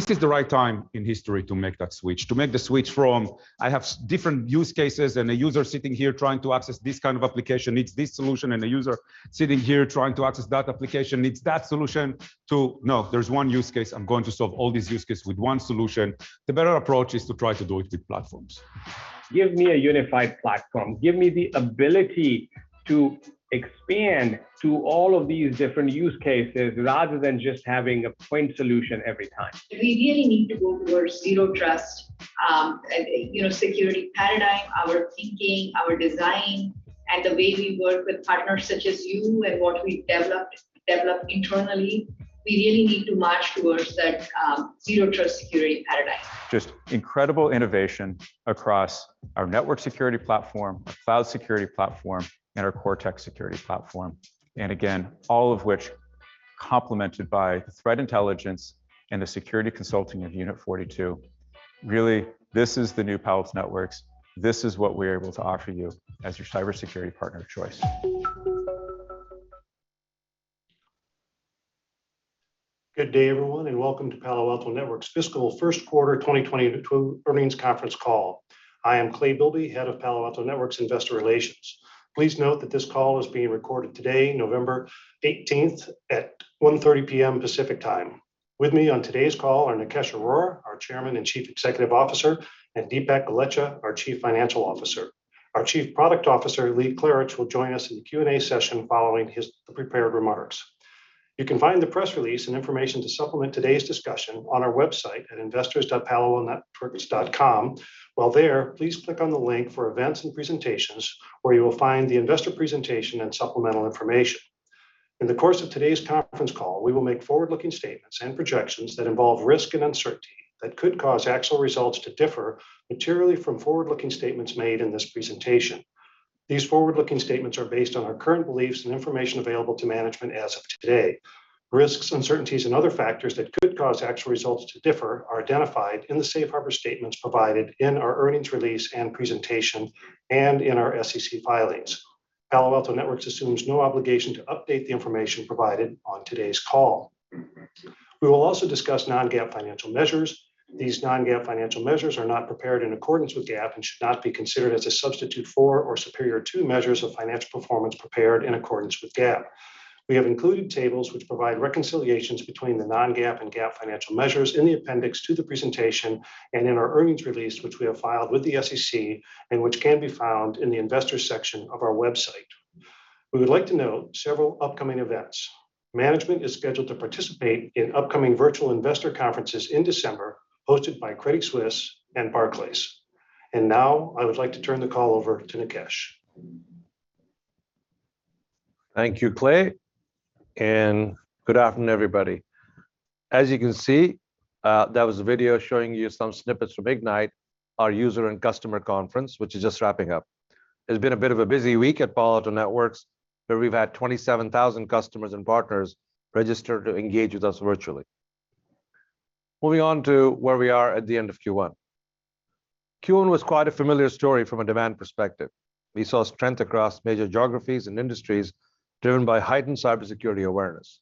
This is the right time in history to make that switch, to make the switch from I have different use cases and a user sitting here trying to access this kind of application needs this solution, and a user sitting here trying to access that application needs that solution to, no, there's one use case, I'm going to solve all these use case with one solution. The better approach is to try to do it with platforms. Give me a unified platform. Give me the ability to expand to all of these different use cases rather than just having a point solution every time. We really need to go towards Zero Trust, you know, security paradigm, our thinking, our design, and the way we work with partners such as you and what we've developed internally. We really need to march towards that, Zero Trust security paradigm. Just incredible innovation across our network security platform, our cloud security platform, and our Cortex security platform. Again, all of which complemented by the threat intelligence and the security consulting of Unit 42. Really, this is the new Palo Alto Networks. This is what we're able to offer you as your cybersecurity partner of choice. Good day, everyone, and welcome to Palo Alto Networks' fiscal first quarter 2022 earnings conference call. I am Clay Bilby, Head of Palo Alto Networks Investor Relations. Please note that this call is being recorded today, November 18th, at 1:30 P.M. Pacific time. With me on today's call are Nikesh Arora, our Chairman and Chief Executive Officer, and Dipak Golechha, our Chief Financial Officer. Our Chief Product Officer, Lee Klarich, will join us in the Q&A session following his prepared remarks. You can find the press release and information to supplement today's discussion on our website at investors.paloaltonetworks.com. While there, please click on the link for events and presentations, where you will find the investor presentation and supplemental information. In the course of today's conference call, we will make forward-looking statements and projections that involve risk and uncertainty that could cause actual results to differ materially from forward-looking statements made in this presentation. These forward-looking statements are based on our current beliefs and information available to management as of today. Risks, uncertainties, and other factors that could cause actual results to differ are identified in the safe harbor statements provided in our earnings release and presentation and in our SEC filings. Palo Alto Networks assumes no obligation to update the information provided on today's call. We will also discuss non-GAAP financial measures. These non-GAAP financial measures are not prepared in accordance with GAAP and should not be considered as a substitute for or superior to measures of financial performance prepared in accordance with GAAP. We have included tables which provide reconciliations between the non-GAAP and GAAP financial measures in the appendix to the presentation and in our earnings release, which we have filed with the SEC and which can be found in the investors section of our website. We would like to note several upcoming events. Management is scheduled to participate in upcoming virtual investor conferences in December, hosted by Credit Suisse and Barclays. Now I would like to turn the call over to Nikesh. Thank you, Clay, and good afternoon, everybody. As you can see, that was a video showing you some snippets from Ignite, our user and customer conference, which is just wrapping up. It's been a bit of a busy week at Palo Alto Networks, where we've had 27,000 customers and partners register to engage with us virtually. Moving on to where we are at the end of Q1. Q1 was quite a familiar story from a demand perspective. We saw strength across major geographies and industries driven by heightened cybersecurity awareness.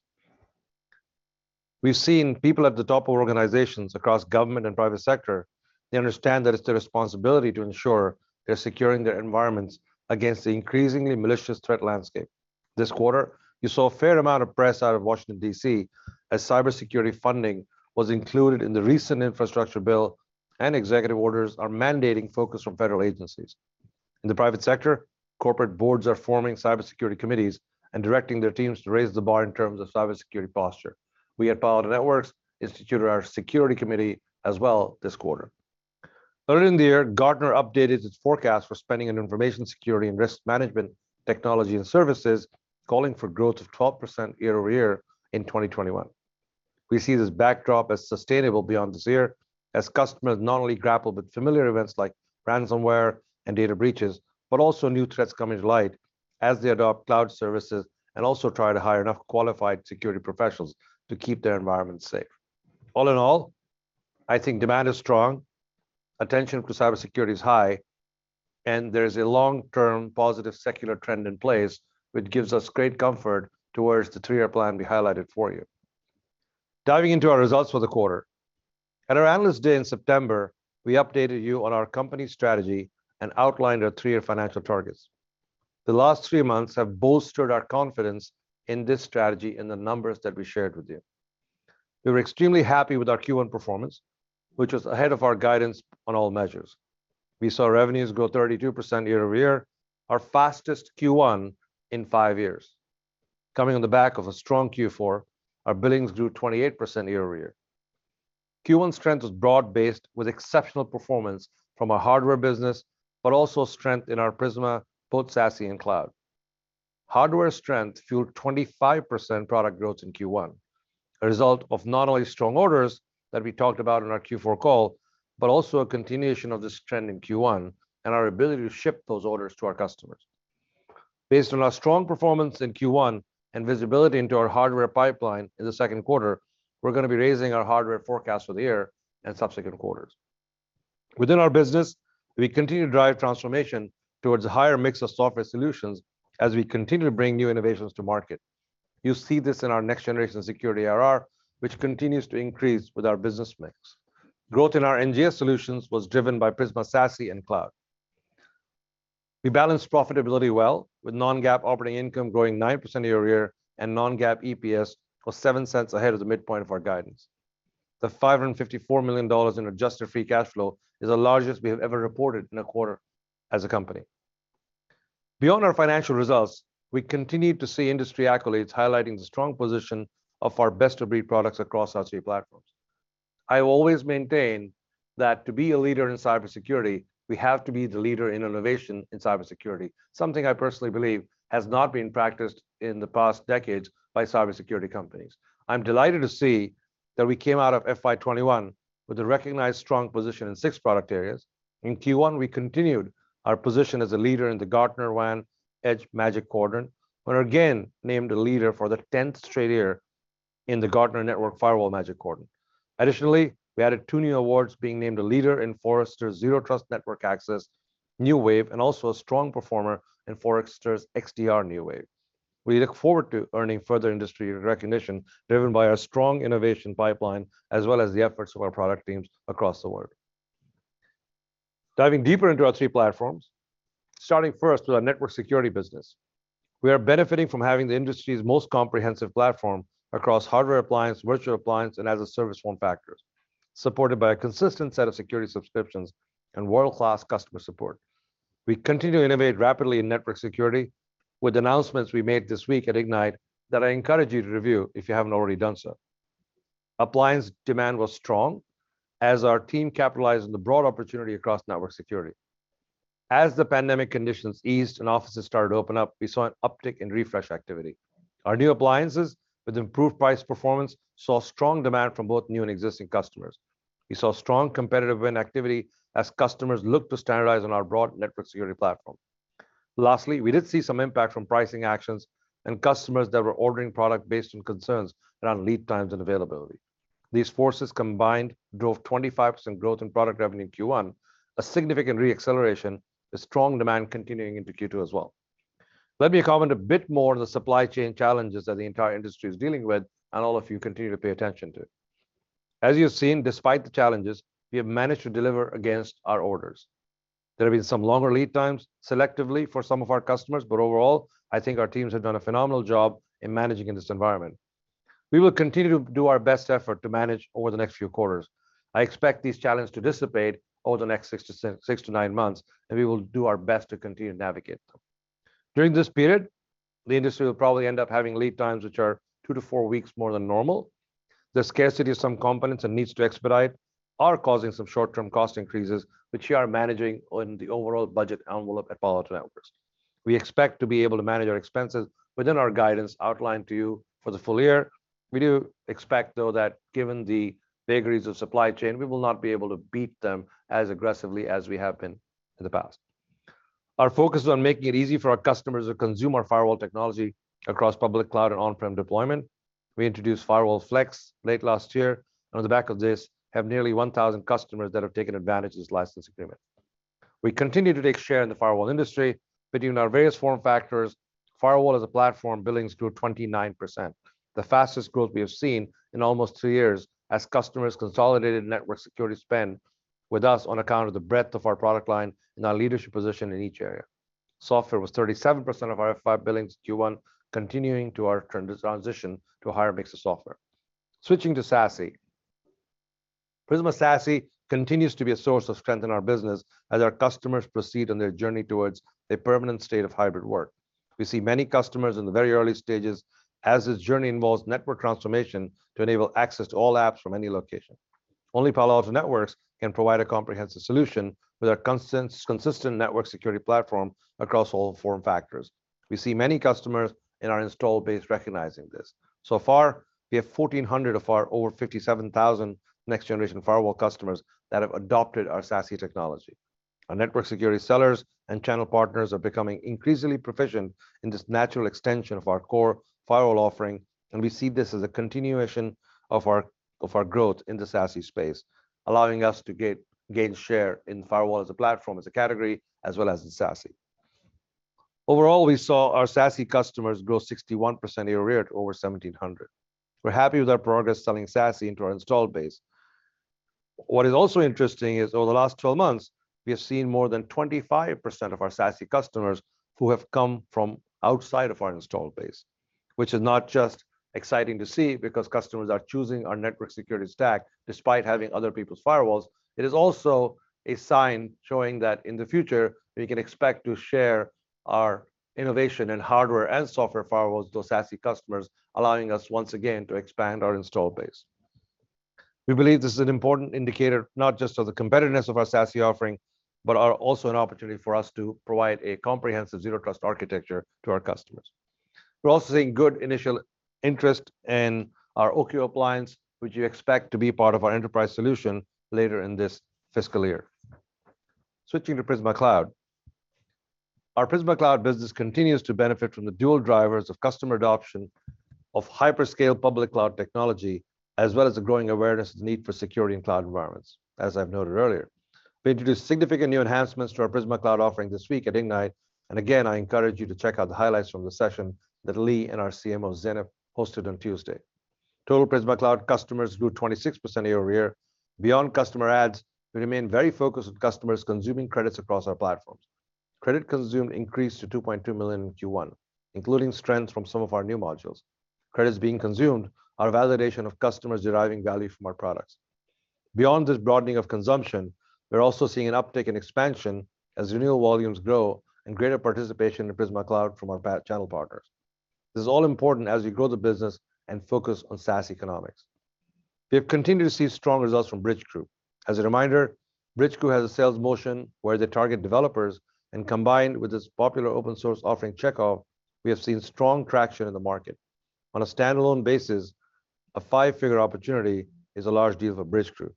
We've seen people at the top organizations across government and private sector. They understand that it's their responsibility to ensure they're securing their environments against the increasingly malicious threat landscape. This quarter, you saw a fair amount of press out of Washington, D.C., as cybersecurity funding was included in the recent infrastructure bill and executive orders are mandating focus from federal agencies. In the private sector, corporate boards are forming cybersecurity committees and directing their teams to raise the bar in terms of cybersecurity posture. We at Palo Alto Networks instituted our security committee as well this quarter. Earlier in the year, Gartner updated its forecast for spending on information security and risk management technology and services, calling for growth of 12% year-over-year in 2021. We see this backdrop as sustainable beyond this year as customers not only grapple with familiar events like ransomware and data breaches, but also new threats come into light as they adopt cloud services and also try to hire enough qualified security professionals to keep their environment safe. All in all, I think demand is strong, attention to cybersecurity is high, and there is a long-term positive secular trend in place, which gives us great comfort towards the three-year plan we highlighted for you. Diving into our results for the quarter. At our Analyst Day in September, we updated you on our company strategy and outlined our three-year financial targets. The last three months have bolstered our confidence in this strategy and the numbers that we shared with you. We were extremely happy with our Q1 performance, which was ahead of our guidance on all measures. We saw revenues grow 32% year-over-year, our fastest Q1 in five years. Coming on the back of a strong Q4, our billings grew 28% year-over-year. Q1 strength was broad-based with exceptional performance from our hardware business, but also strength in our Prisma, both SASE and Cloud. Hardware strength fueled 25% product growth in Q1, a result of not only strong orders that we talked about on our Q4 call, but also a continuation of this trend in Q1 and our ability to ship those orders to our customers. Based on our strong performance in Q1 and visibility into our hardware pipeline in the second quarter, we're gonna be raising our hardware forecast for the year and subsequent quarters. Within our business, we continue to drive transformation towards a higher mix of software solutions as we continue to bring new innovations to market. You see this in our next generation security ARR, which continues to increase with our business mix. Growth in our NGS solutions was driven by Prisma SASE and Prisma Cloud. We balanced profitability well with non-GAAP operating income growing 9% year-over-year and non-GAAP EPS of $0.07 ahead of the midpoint of our guidance. The $554 million in adjusted free cash flow is the largest we have ever reported in a quarter as a company. Beyond our financial results, we continued to see industry accolades highlighting the strong position of our best-of-breed products across our three platforms. I always maintain that to be a leader in cybersecurity, we have to be the leader in innovation in cybersecurity, something I personally believe has not been practiced in the past decades by cybersecurity companies. I'm delighted to see that we came out of FY 2021 with a recognized strong position in six product areas. In Q1, we continued our position as a leader in the Gartner Magic Quadrant for WAN Edge Infrastructure, where we were again named a leader for the 10th straight year in the Gartner Magic Quadrant for Network Firewalls. Additionally, we added two new awards being named a leader in Forrester's Zero Trust Network Access New Wave, and also a strong performer in Forrester's XDR New Wave. We look forward to earning further industry recognition driven by our strong innovation pipeline, as well as the efforts of our product teams across the world. Diving deeper into our three platforms, starting first with our network security business. We are benefiting from having the industry's most comprehensive platform across hardware appliance, virtual appliance, and as a service form factors, supported by a consistent set of security subscriptions and world-class customer support. We continue to innovate rapidly in network security with announcements we made this week at Ignite that I encourage you to review if you haven't already done so. Appliance demand was strong as our team capitalized on the broad opportunity across network security. As the pandemic conditions eased and offices started to open up, we saw an uptick in refresh activity. Our new appliances with improved price performance saw strong demand from both new and existing customers. We saw strong competitive win activity as customers looked to standardize on our broad network security platform. Lastly, we did see some impact from pricing actions and customers that were ordering product based on concerns around lead times and availability. These forces combined drove 25% growth in product revenue in Q1, a significant re-acceleration, strong demand continuing into Q2 as well. Let me comment a bit more on the supply chain challenges that the entire industry is dealing with and all of you continue to pay attention to. As you've seen, despite the challenges, we have managed to deliver against our orders. There have been some longer lead times selectively for some of our customers, but overall, I think our teams have done a phenomenal job in managing in this environment. We will continue to do our best effort to manage over the next few quarters. I expect these challenges to dissipate over the next six to nine months, and we will do our best to continue to navigate them. During this period, the industry will probably end up having lead times which are two to four weeks more than normal. The scarcity of some components and needs to expedite are causing some short-term cost increases, which we are managing on the overall budget envelope at Palo Alto Networks. We expect to be able to manage our expenses within our guidance outlined to you for the full year. We do expect, though, that given the vagaries of supply chain, we will not be able to beat them as aggressively as we have been in the past. Our focus is on making it easy for our customers to consume our firewall technology across public cloud and on-prem deployment. We introduced Firewall Flex late last year, and on the back of this have nearly 1,000 customers that have taken advantage of this license agreement. We continue to take share in the firewall industry between our various form factors. Firewall as a Platform billings grew 29%, the fastest growth we have seen in almost two years as customers consolidated network security spend with us on account of the breadth of our product line and our leadership position in each area. Software was 37% of our total billings in Q1, continuing our transition to a higher mix of software. Switching to SASE. Prisma SASE continues to be a source of strength in our business as our customers proceed on their journey towards a permanent state of hybrid work. We see many customers in the very early stages as this journey involves network transformation to enable access to all apps from any location. Only Palo Alto Networks can provide a comprehensive solution with our consistent network security platform across all form factors. We see many customers in our install base recognizing this. So far, we have 1,400 of our over 57,000 next generation firewall customers that have adopted our SASE technology. Our network security sellers and channel partners are becoming increasingly proficient in this natural extension of our core firewall offering, and we see this as a continuation of our growth in the SASE space, allowing us to gain share in Firewall as a Platform, as a category, as well as in SASE. Overall, we saw our SASE customers grow 61% year-over-year to over 1,700. We're happy with our progress selling SASE into our installed base. What is also interesting is over the last 12 months, we have seen more than 25% of our SASE customers who have come from outside of our install base, which is not just exciting to see because customers are choosing our network security stack despite having other people's firewalls. It is also a sign showing that in the future, we can expect to share our innovation in hardware and software firewalls to SASE customers, allowing us once again to expand our install base. We believe this is an important indicator not just of the competitiveness of our SASE offering, but also an opportunity for us to provide a comprehensive Zero Trust architecture to our customers. We're also seeing good initial interest in our ION appliance, which we expect to be part of our enterprise solution later in this fiscal year. Switching to Prisma Cloud. Our Prisma Cloud business continues to benefit from the dual drivers of customer adoption of hyperscale public cloud technology, as well as the growing awareness need for security in cloud environments, as I've noted earlier. We introduced significant new enhancements to our Prisma Cloud offering this week at Ignite, and again, I encourage you to check out the highlights from the session that Lee and our CMO, Zeynep, hosted on Tuesday. Total Prisma Cloud customers grew 26% year-over-year. Beyond customer adds, we remain very focused on customers consuming credits across our platforms. Credit consumed increased to 2.2 million in Q1, including strength from some of our new modules. Credits being consumed are a validation of customers deriving value from our products. Beyond this broadening of consumption, we're also seeing an uptick in expansion as renewal volumes grow and greater participation in Prisma Cloud from our channel partners. This is all important as we grow the business and focus on SaaS economics. We have continued to see strong results from Bridgecrew. As a reminder, Bridgecrew has a sales motion where they target developers, and combined with its popular open source offering, Checkov, we have seen strong traction in the market. On a standalone basis, a five-figure opportunity is a large deal for Bridgecrew.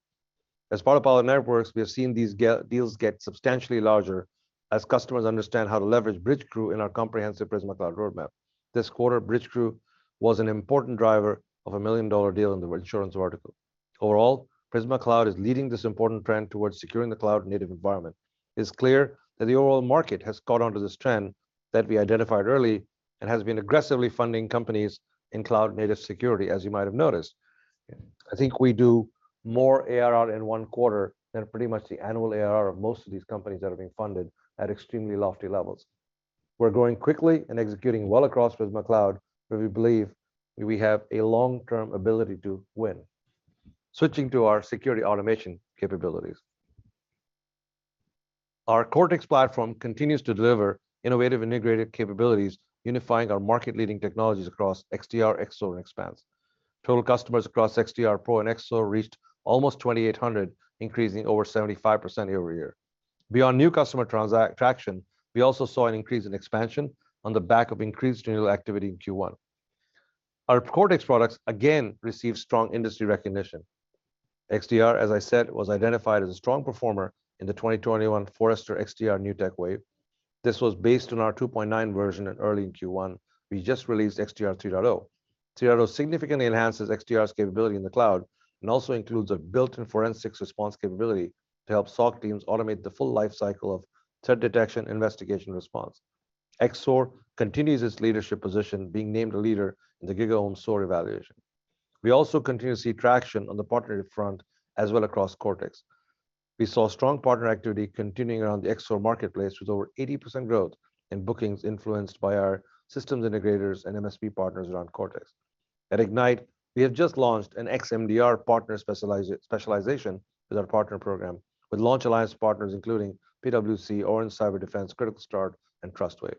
As part of Palo Alto Networks, we have seen these deals get substantially larger as customers understand how to leverage Bridgecrew in our comprehensive Prisma Cloud roadmap. This quarter, Bridgecrew was an important driver of a million-dollar deal in the insurance vertical. Overall, Prisma Cloud is leading this important trend towards securing the cloud-native environment. It's clear that the overall market has caught on to this trend that we identified early and has been aggressively funding companies in cloud-native security, as you might have noticed. I think we do more ARR in one quarter than pretty much the annual ARR of most of these companies that are being funded at extremely lofty levels. We're growing quickly and executing well across Prisma Cloud, where we believe we have a long-term ability to win. Switching to our security automation capabilities. Our Cortex platform continues to deliver innovative integrated capabilities, unifying our market-leading technologies across XDR, XSOAR, and Xpanse. Total customers across XDR Pro and XSOAR reached almost 2,800, increasing over 75% year-over-year. Beyond new customer transaction, we also saw an increase in expansion on the back of increased renewal activity in Q1. Our Cortex products again received strong industry recognition. XDR, as I said, was identified as a strong performer in the 2021 Forrester XDR New Tech Wave. This was based on our 2.9 version in early Q1. We just released XDR 3.0. 3.0 significantly enhances XDR's capability in the cloud and also includes a built-in forensics response capability to help SOC teams automate the full life cycle of threat detection investigation response. XSOAR continues its leadership position being named a leader in the GigaOm SOAR evaluation. We also continue to see traction on the partner front as well across Cortex. We saw strong partner activity continuing around the XSOAR marketplace with over 80% growth in bookings influenced by our systems integrators and MSP partners around Cortex. At Ignite, we have just launched an XMDR partner specialization with our partner program with launch alliance partners including PwC, Orange Cyberdefense, Critical Start, and Trustwave.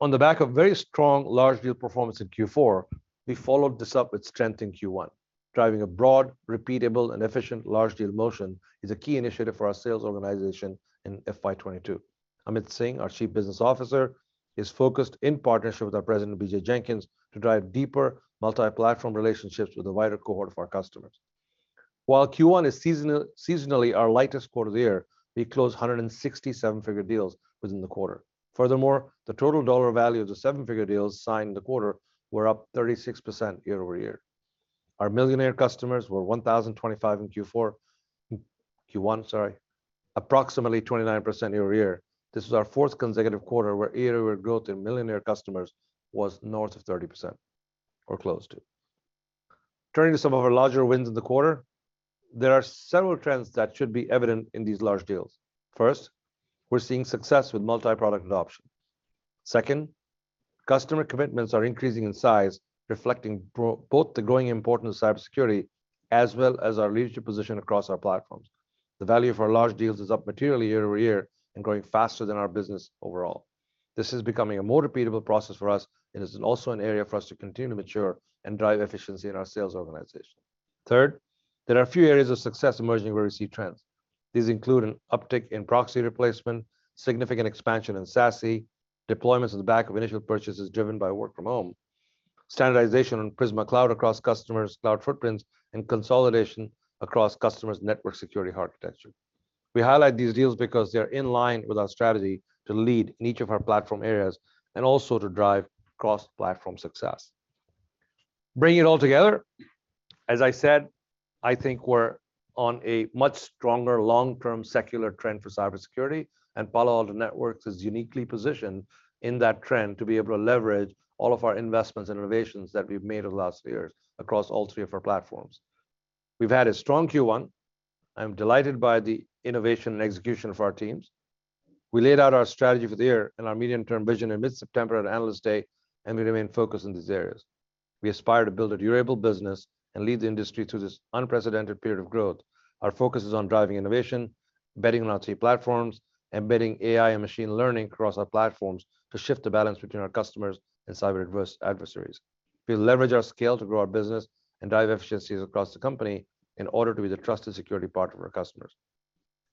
On the back of very strong large deal performance in Q4, we followed this up with strength in Q1. Driving a broad, repeatable, and efficient large deal motion is a key initiative for our sales organization in FY 2022. Amit Singh, our Chief Business Officer, is focused, in partnership with our President, BJ Jenkins, to drive deeper multi-platform relationships with a wider cohort of our customers. While Q1 is seasonally our lightest quarter of the year, we closed 167 seven-figure deals within the quarter. Furthermore, the total dollar value of the seven-figure deals signed in the quarter was up 36% year-over-year. Our million-dollar customers were 1,025 in Q1, approximately 29% year-over-year. This is our fourth consecutive quarter where year-over-year growth in millionaire customers was north of 30% or close to. Turning to some of our larger wins in the quarter, there are several trends that should be evident in these large deals. First, we're seeing success with multi-product adoption. Second, customer commitments are increasing in size, reflecting both the growing importance of cybersecurity as well as our leadership position across our platforms. The value for large deals is up materially year-over-year and growing faster than our business overall. This is becoming a more repeatable process for us and is also an area for us to continue to mature and drive efficiency in our sales organization. Third, there are a few areas of success emerging where we see trends. These include an uptick in proxy replacement, significant expansion in SASE, deployments in the back of initial purchases driven by work from home, standardization on Prisma Cloud across customers' cloud footprints, and consolidation across customers' network security architecture. We highlight these deals because they are in line with our strategy to lead in each of our platform areas and also to drive cross-platform success. Bringing it all together, as I said, I think we're on a much stronger long-term secular trend for cybersecurity, and Palo Alto Networks is uniquely positioned in that trend to be able to leverage all of our investments and innovations that we've made over the last years across all three of our platforms. We've had a strong Q1. I'm delighted by the innovation and execution of our teams. We laid out our strategy for the year and our medium-term vision in mid-September at Analyst Day, and we remain focused on these areas. We aspire to build a durable business and lead the industry through this unprecedented period of growth. Our focus is on driving innovation, betting on our three platforms, embedding AI and machine learning across our platforms to shift the balance between our customers and cyber adversaries. We'll leverage our scale to grow our business and drive efficiencies across the company in order to be the trusted security partner of our customers.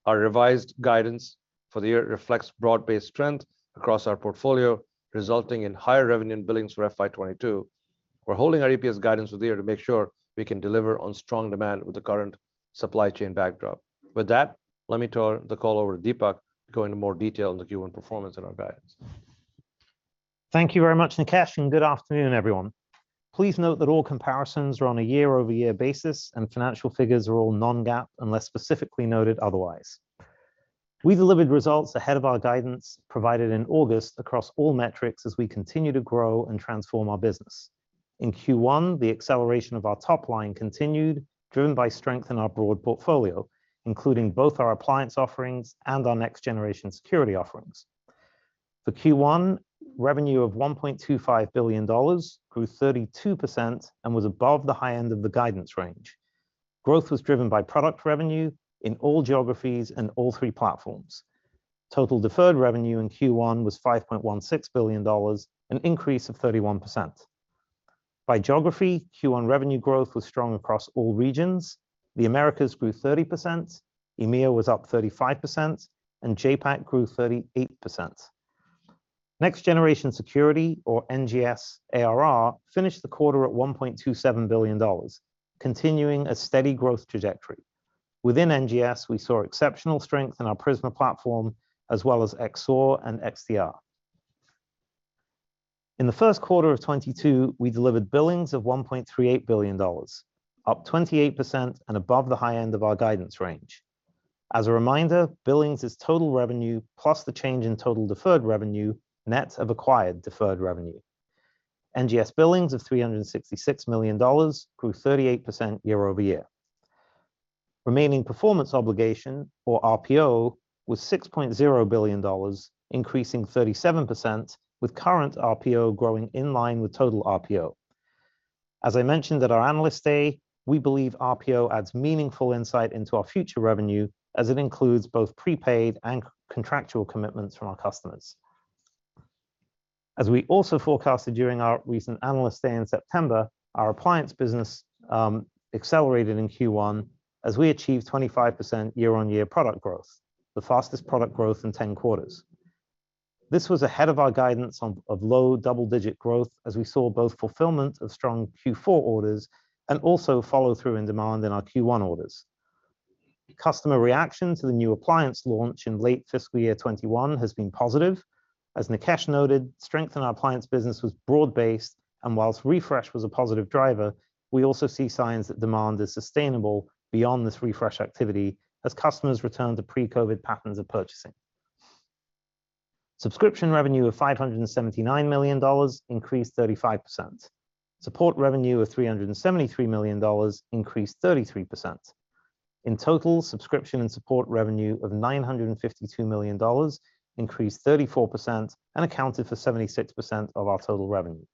Our revised guidance for the year reflects broad-based strength across our portfolio, resulting in higher revenue and billings for FY 2022. We're holding our EPS guidance to make sure we can deliver on strong demand with the current supply chain backdrop. With that, let me turn the call over to Dipak to go into more detail on the Q1 performance and our guidance. Thank you very much, Nikesh, and good afternoon, everyone. Please note that all comparisons are on a year-over-year basis, and financial figures are all non-GAAP unless specifically noted otherwise. We delivered results ahead of our guidance provided in August across all metrics as we continue to grow and transform our business. In Q1, the acceleration of our top line continued, driven by strength in our broad portfolio, including both our appliance offerings and our next-generation security offerings. The Q1 revenue of $1.25 billion grew 32% and was above the high end of the guidance range. Growth was driven by product revenue in all geographies and all three platforms. Total deferred revenue in Q1 was $5.16 billion, an increase of 31%. By geography, Q1 revenue growth was strong across all regions. The Americas grew 30%, EMEA was up 35%, and JPAC grew 38%. Next Generation Security, or NGS ARR, finished the quarter at $1.27 billion, continuing a steady growth trajectory. Within NGS, we saw exceptional strength in our Prisma platform as well as XSOAR and XDR. In the first quarter of 2022, we delivered billings of $1.38 billion, up 28% and above the high end of our guidance range. As a reminder, billings is total revenue plus the change in total deferred revenue, net of acquired deferred revenue. NGS billings of $366 million grew 38% year-over-year. Remaining performance obligation, or RPO, was $6.0 billion, increasing 37%, with current RPO growing in line with total RPO. As I mentioned at our Analyst Day, we believe RPO adds meaningful insight into our future revenue, as it includes both prepaid and contractual commitments from our customers. As we also forecasted during our recent Analyst Day in September, our appliance business accelerated in Q1 as we achieved 25% year-on-year product growth, the fastest product growth in 10 quarters. This was ahead of our guidance of low double-digit growth as we saw both fulfillment of strong Q4 orders and also follow-through in demand in our Q1 orders. Customer reaction to the new appliance launch in late fiscal year 2021 has been positive. As Nikesh noted, strength in our appliance business was broad-based, and while refresh was a positive driver, we also see signs that demand is sustainable beyond this refresh activity as customers return to pre-COVID patterns of purchasing. Subscription revenue of $579 million increased 35%. Support revenue of $373 million increased 33%. In total, subscription and support revenue of $952 million increased 34% and accounted for 76% of our total revenue.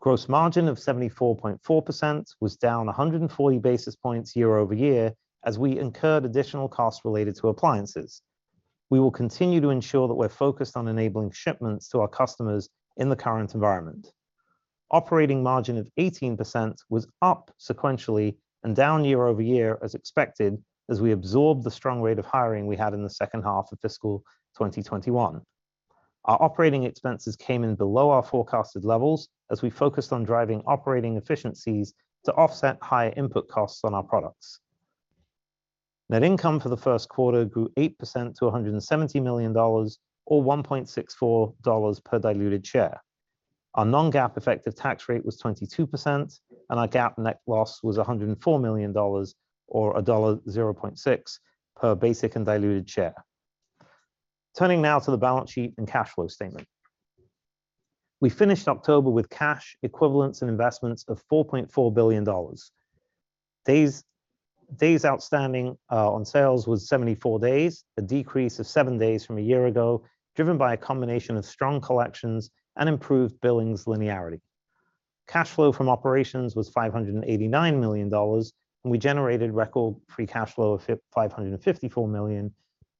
Gross margin of 74.4% was down 140 basis points year-over-year as we incurred additional costs related to appliances. We will continue to ensure that we're focused on enabling shipments to our customers in the current environment. Operating margin of 18% was up sequentially and down year-over-year as expected as we absorbed the strong rate of hiring we had in the second half of fiscal 2021. Our operating expenses came in below our forecasted levels as we focused on driving operating efficiencies to offset higher input costs on our products. Net income for the first quarter grew 8% to $170 million or $1.64 per diluted share. Our non-GAAP effective tax rate was 22%, and our GAAP net loss was $104 million or $0.60 per basic and diluted share. Turning now to the balance sheet and cash flow statement. We finished October with cash equivalents and investments of $4.4 billion. Days outstanding on sales was 74 days, a decrease of seven days from a year ago, driven by a combination of strong collections and improved billings linearity. Cash flow from operations was $589 million, and we generated record free cash flow of $554 million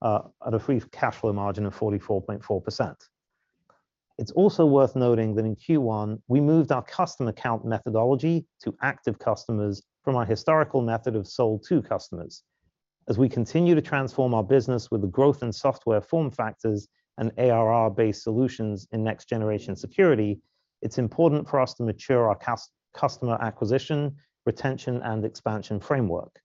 at a free cash flow margin of 44.4%. It's also worth noting that in Q1, we moved our customer count methodology to active customers from our historical method of sold to customers. As we continue to transform our business with the growth in software form factors and ARR-based solutions in next-generation security, it's important for us to mature our customer acquisition, retention, and expansion framework.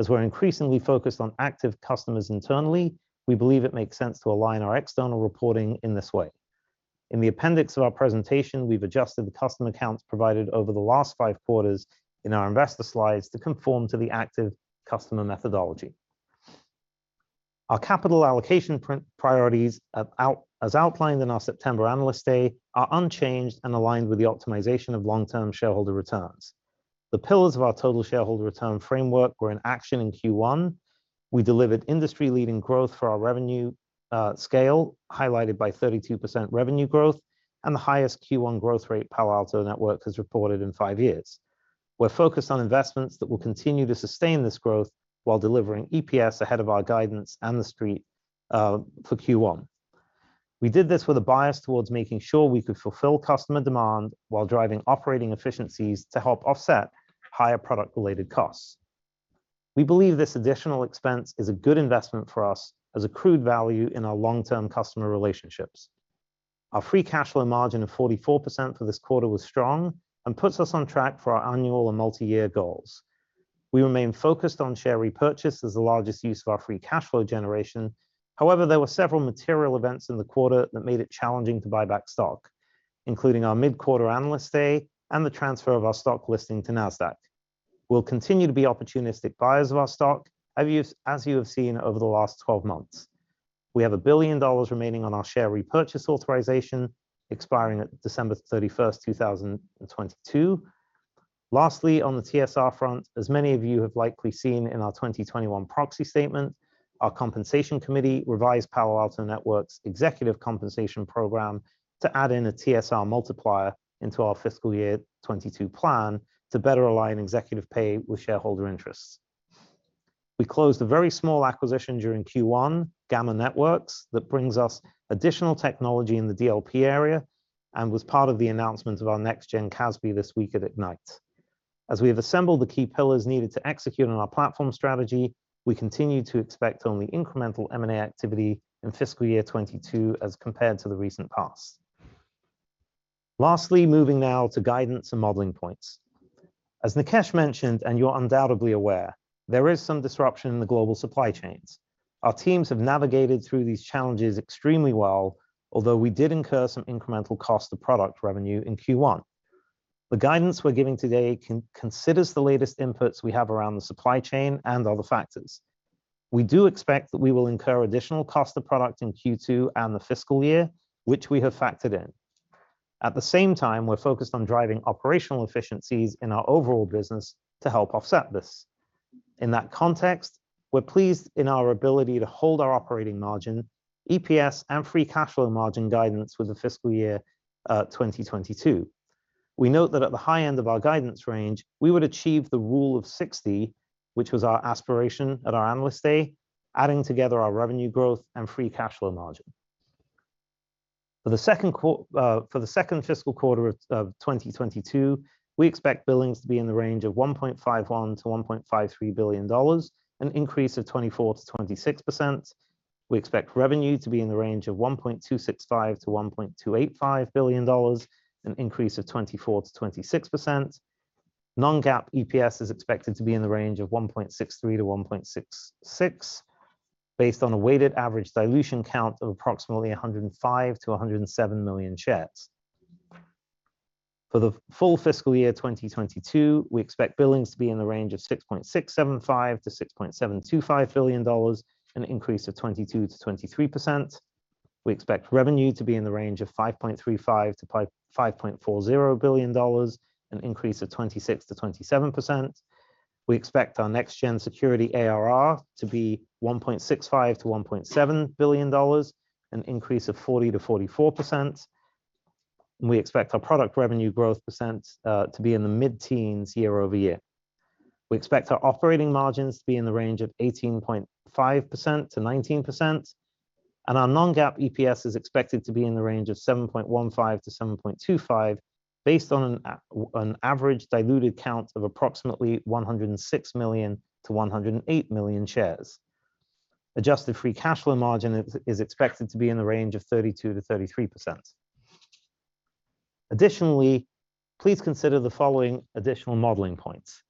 As we're increasingly focused on active customers internally, we believe it makes sense to align our external reporting in this way. In the appendix of our presentation, we've adjusted the customer counts provided over the last five quarters in our investor slides to conform to the active customer methodology. Our capital allocation priorities, as outlined in our September Analyst Day, are unchanged and aligned with the optimization of long-term shareholder returns. The pillars of our total shareholder return framework were in action in Q1. We delivered industry-leading growth for our revenue, scale, highlighted by 32% revenue growth and the highest Q1 growth rate Palo Alto Networks has reported in five years. We're focused on investments that will continue to sustain this growth while delivering EPS ahead of our guidance and the street, for Q1. We did this with a bias towards making sure we could fulfill customer demand while driving operating efficiencies to help offset higher product-related costs. We believe this additional expense is a good investment for us as accrued value in our long-term customer relationships. Our free cash flow margin of 44% for this quarter was strong and puts us on track for our annual and multi-year goals. We remain focused on share repurchase as the largest use of our free cash flow generation. However, there were several material events in the quarter that made it challenging to buy back stock, including our mid-quarter analyst day and the transfer of our stock listing to Nasdaq. We'll continue to be opportunistic buyers of our stock, as you have seen over the last 12 months. We have $1 billion remaining on our share repurchase authorization expiring December 31st, 2022. Lastly, on the TSR front, as many of you have likely seen in our 2021 proxy statement, our compensation committee revised Palo Alto Networks' executive compensation program to add in a TSR multiplier into our FY 2022 plan to better align executive pay with shareholder interests. We closed a very small acquisition during Q1, Gamma Networks, that brings us additional technology in the DLP area and was part of the announcement of our next-gen CASB this week at Ignite. As we have assembled the key pillars needed to execute on our platform strategy, we continue to expect only incremental M&A activity in fiscal year 2022 as compared to the recent past. Lastly, moving now to guidance and modeling points. As Nikesh mentioned, and you're undoubtedly aware, there is some disruption in the global supply chains. Our teams have navigated through these challenges extremely well, although we did incur some incremental cost of product revenue in Q1. The guidance we're giving today considers the latest inputs we have around the supply chain and other factors. We do expect that we will incur additional cost of product in Q2 and the fiscal year, which we have factored in. At the same time, we're focused on driving operational efficiencies in our overall business to help offset this. In that context, we're pleased in our ability to hold our operating margin, EPS, and free cash flow margin guidance with the fiscal year 2022. We note that at the high end of our guidance range, we would achieve the rule of sixty, which was our aspiration at our analyst day, adding together our revenue growth and free cash flow margin. For the second fiscal quarter of 2022, we expect billings to be in the range of $1.51 billion-$1.53 billion, an increase of 24%-26%. We expect revenue to be in the range of $1.265 billion-$1.285 billion, an increase of 24%-26%. non-GAAP EPS is expected to be in the range of 1.63-1.66 based on a weighted average dilution count of approximately 105-107 million shares. For the full fiscal year 2022, we expect billings to be in the range of $6.675-$6.725 billion, an increase of 22%-23%. We expect revenue to be in the range of $5.35-$5.40 billion, an increase of 26%-27%. We expect our next-gen security ARR to be $1.65-$1.7 billion, an increase of 40%-44%. We expect our product revenue growth percent to be in the mid-teens year-over-year. We expect our operating margins to be in the range of 18.5%-19%, and our non-GAAP EPS is expected to be in the range of $7.15-$7.25 based on an average diluted count of approximately 106 million-108 million shares. Adjusted free cash flow margin is expected to be in the range of 32%-33%. Additionally, please consider the following additional modeling points.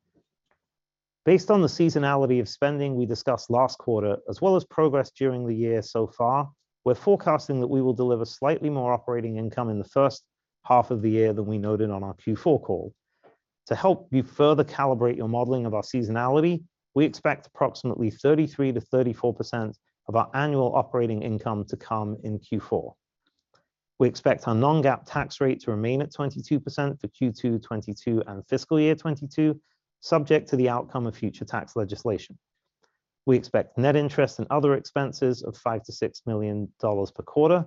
Based on the seasonality of spending we discussed last quarter, as well as progress during the year so far, we're forecasting that we will deliver slightly more operating income in the first half of the year than we noted on our Q4 call. To help you further calibrate your modeling of our seasonality, we expect approximately 33%-34% of our annual operating income to come in Q4. We expect our non-GAAP tax rate to remain at 22% for Q2 2022 and fiscal year 2022, subject to the outcome of future tax legislation. We expect net interest and other expenses of $5 million-$6 million per quarter.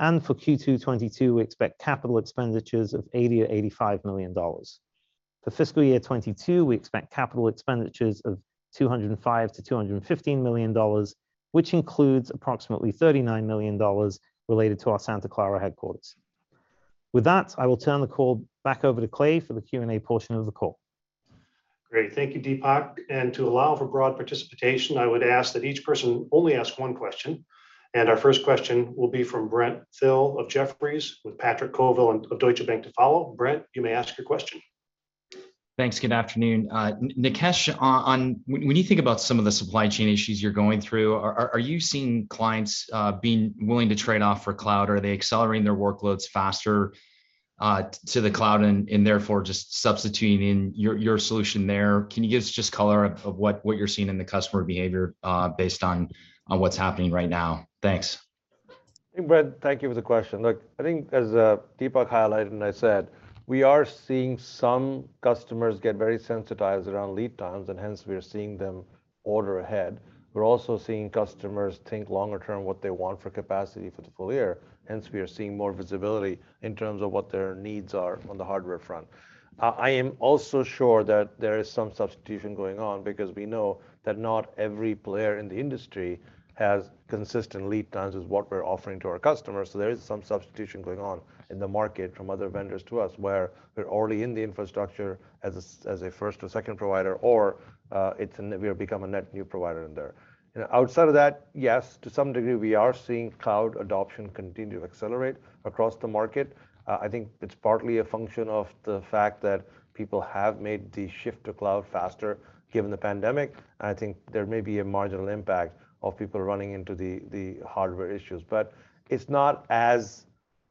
For Q2 2022, we expect capital expenditures of $80 million-$85 million. For fiscal year 2022, we expect capital expenditures of $205 million-$215 million, which includes approximately $39 million related to our Santa Clara headquarters. With that, I will turn the call back over to Clay for the Q&A portion of the call. Great. Thank you, Dipak. To allow for broad participation, I would ask that each person only ask one question. Our first question will be from Brent Thill of Jefferies, with Patrick Colville of Deutsche Bank to follow. Brent, you may ask your question. Thanks. Good afternoon. Nikesh, on... When you think about some of the supply chain issues you're going through, are you seeing clients being willing to trade off for cloud? Are they accelerating their workloads faster to the cloud and therefore just substituting in your solution there? Can you give us just color of what you're seeing in the customer behavior based on what's happening right now? Thanks. Hey, Brent. Thank you for the question. Look, I think as Dipak highlighted and I said, we are seeing some customers get very sensitized around lead times, and hence we are seeing them order ahead. We're also seeing customers think longer term what they want for capacity for the full year, and so we are seeing more visibility in terms of what their needs are on the hardware front. I am also sure that there is some substitution going on because we know that not every player in the industry has consistent lead times as what we're offering to our customers, so there is some substitution going on in the market from other vendors to us, where they're already in the infrastructure as a first or second provider, or, we've become a net new provider in there. You know, outside of that, yes, to some degree, we are seeing cloud adoption continue to accelerate across the market. I think it's partly a function of the fact that people have made the shift to cloud faster given the pandemic. I think there may be a marginal impact of people running into the hardware issues. It's not as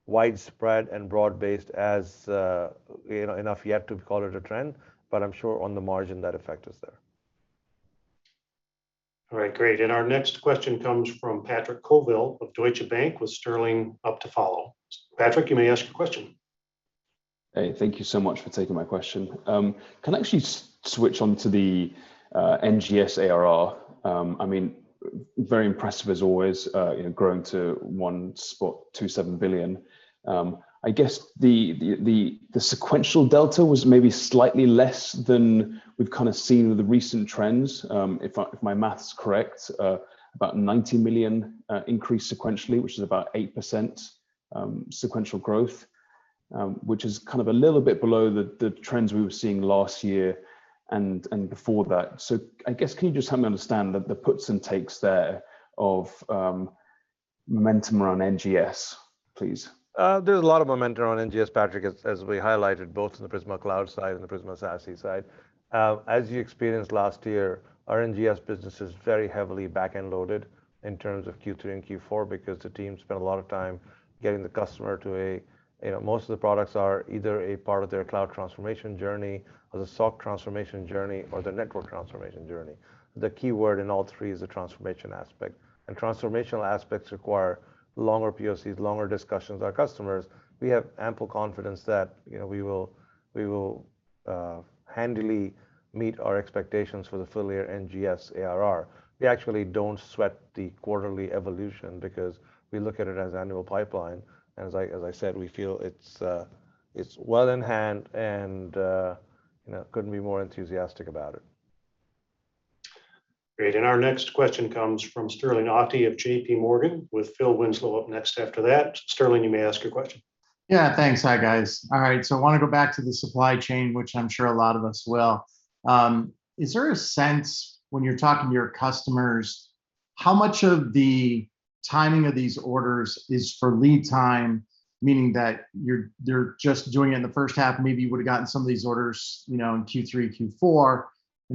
widespread and broad-based as you know enough yet to call it a trend, but I'm sure on the margin that effect is there. All right. Great. Our next question comes from Patrick Colville of Deutsche Bank, with Sterling up to follow. Patrick, you may ask your question. Hey. Thank you so much for taking my question. Can I actually switch onto the NGS ARR. I mean, very impressive as always, you know, growing to $1.27 billion. I guess the sequential delta was maybe slightly less than we've kind of seen with the recent trends. If my math's correct, about $90 million increased sequentially, which is about 8% sequential growth, which is kind of a little bit below the trends we were seeing last year and before that. I guess, can you just help me understand the puts and takes there of momentum around NGS, please? There's a lot of momentum around NGS, Patrick, as we highlighted both in the Prisma Cloud side and the Prisma SASE side. As you experienced last year, our NGS business is very heavily back-end loaded in terms of Q3 and Q4 because the team spent a lot of time getting the customer to a... You know, most of the products are either a part of their cloud transformation journey or the SOC transformation journey or the network transformation journey. The keyword in all three is the transformation aspect, and transformational aspects require longer POCs, longer discussions with our customers. We have ample confidence that, you know, we will handily meet our expectations for the full year NGS ARR. We actually don't sweat the quarterly evolution because we look at it as annual pipeline. As I said, we feel it's well in hand and you know, couldn't be more enthusiastic about it. Great. Our next question comes from Sterling Auty of JPMorgan, with Phil Winslow up next after that. Sterling, you may ask your question. Yeah, thanks. Hi, guys. All right, I want to go back to the supply chain, which I'm sure a lot of us will. Is there a sense when you're talking to your customers how much of the timing of these orders is for lead time, meaning that you're just doing it in the first half, maybe you would've gotten some of these orders, you know, in Q3, Q4?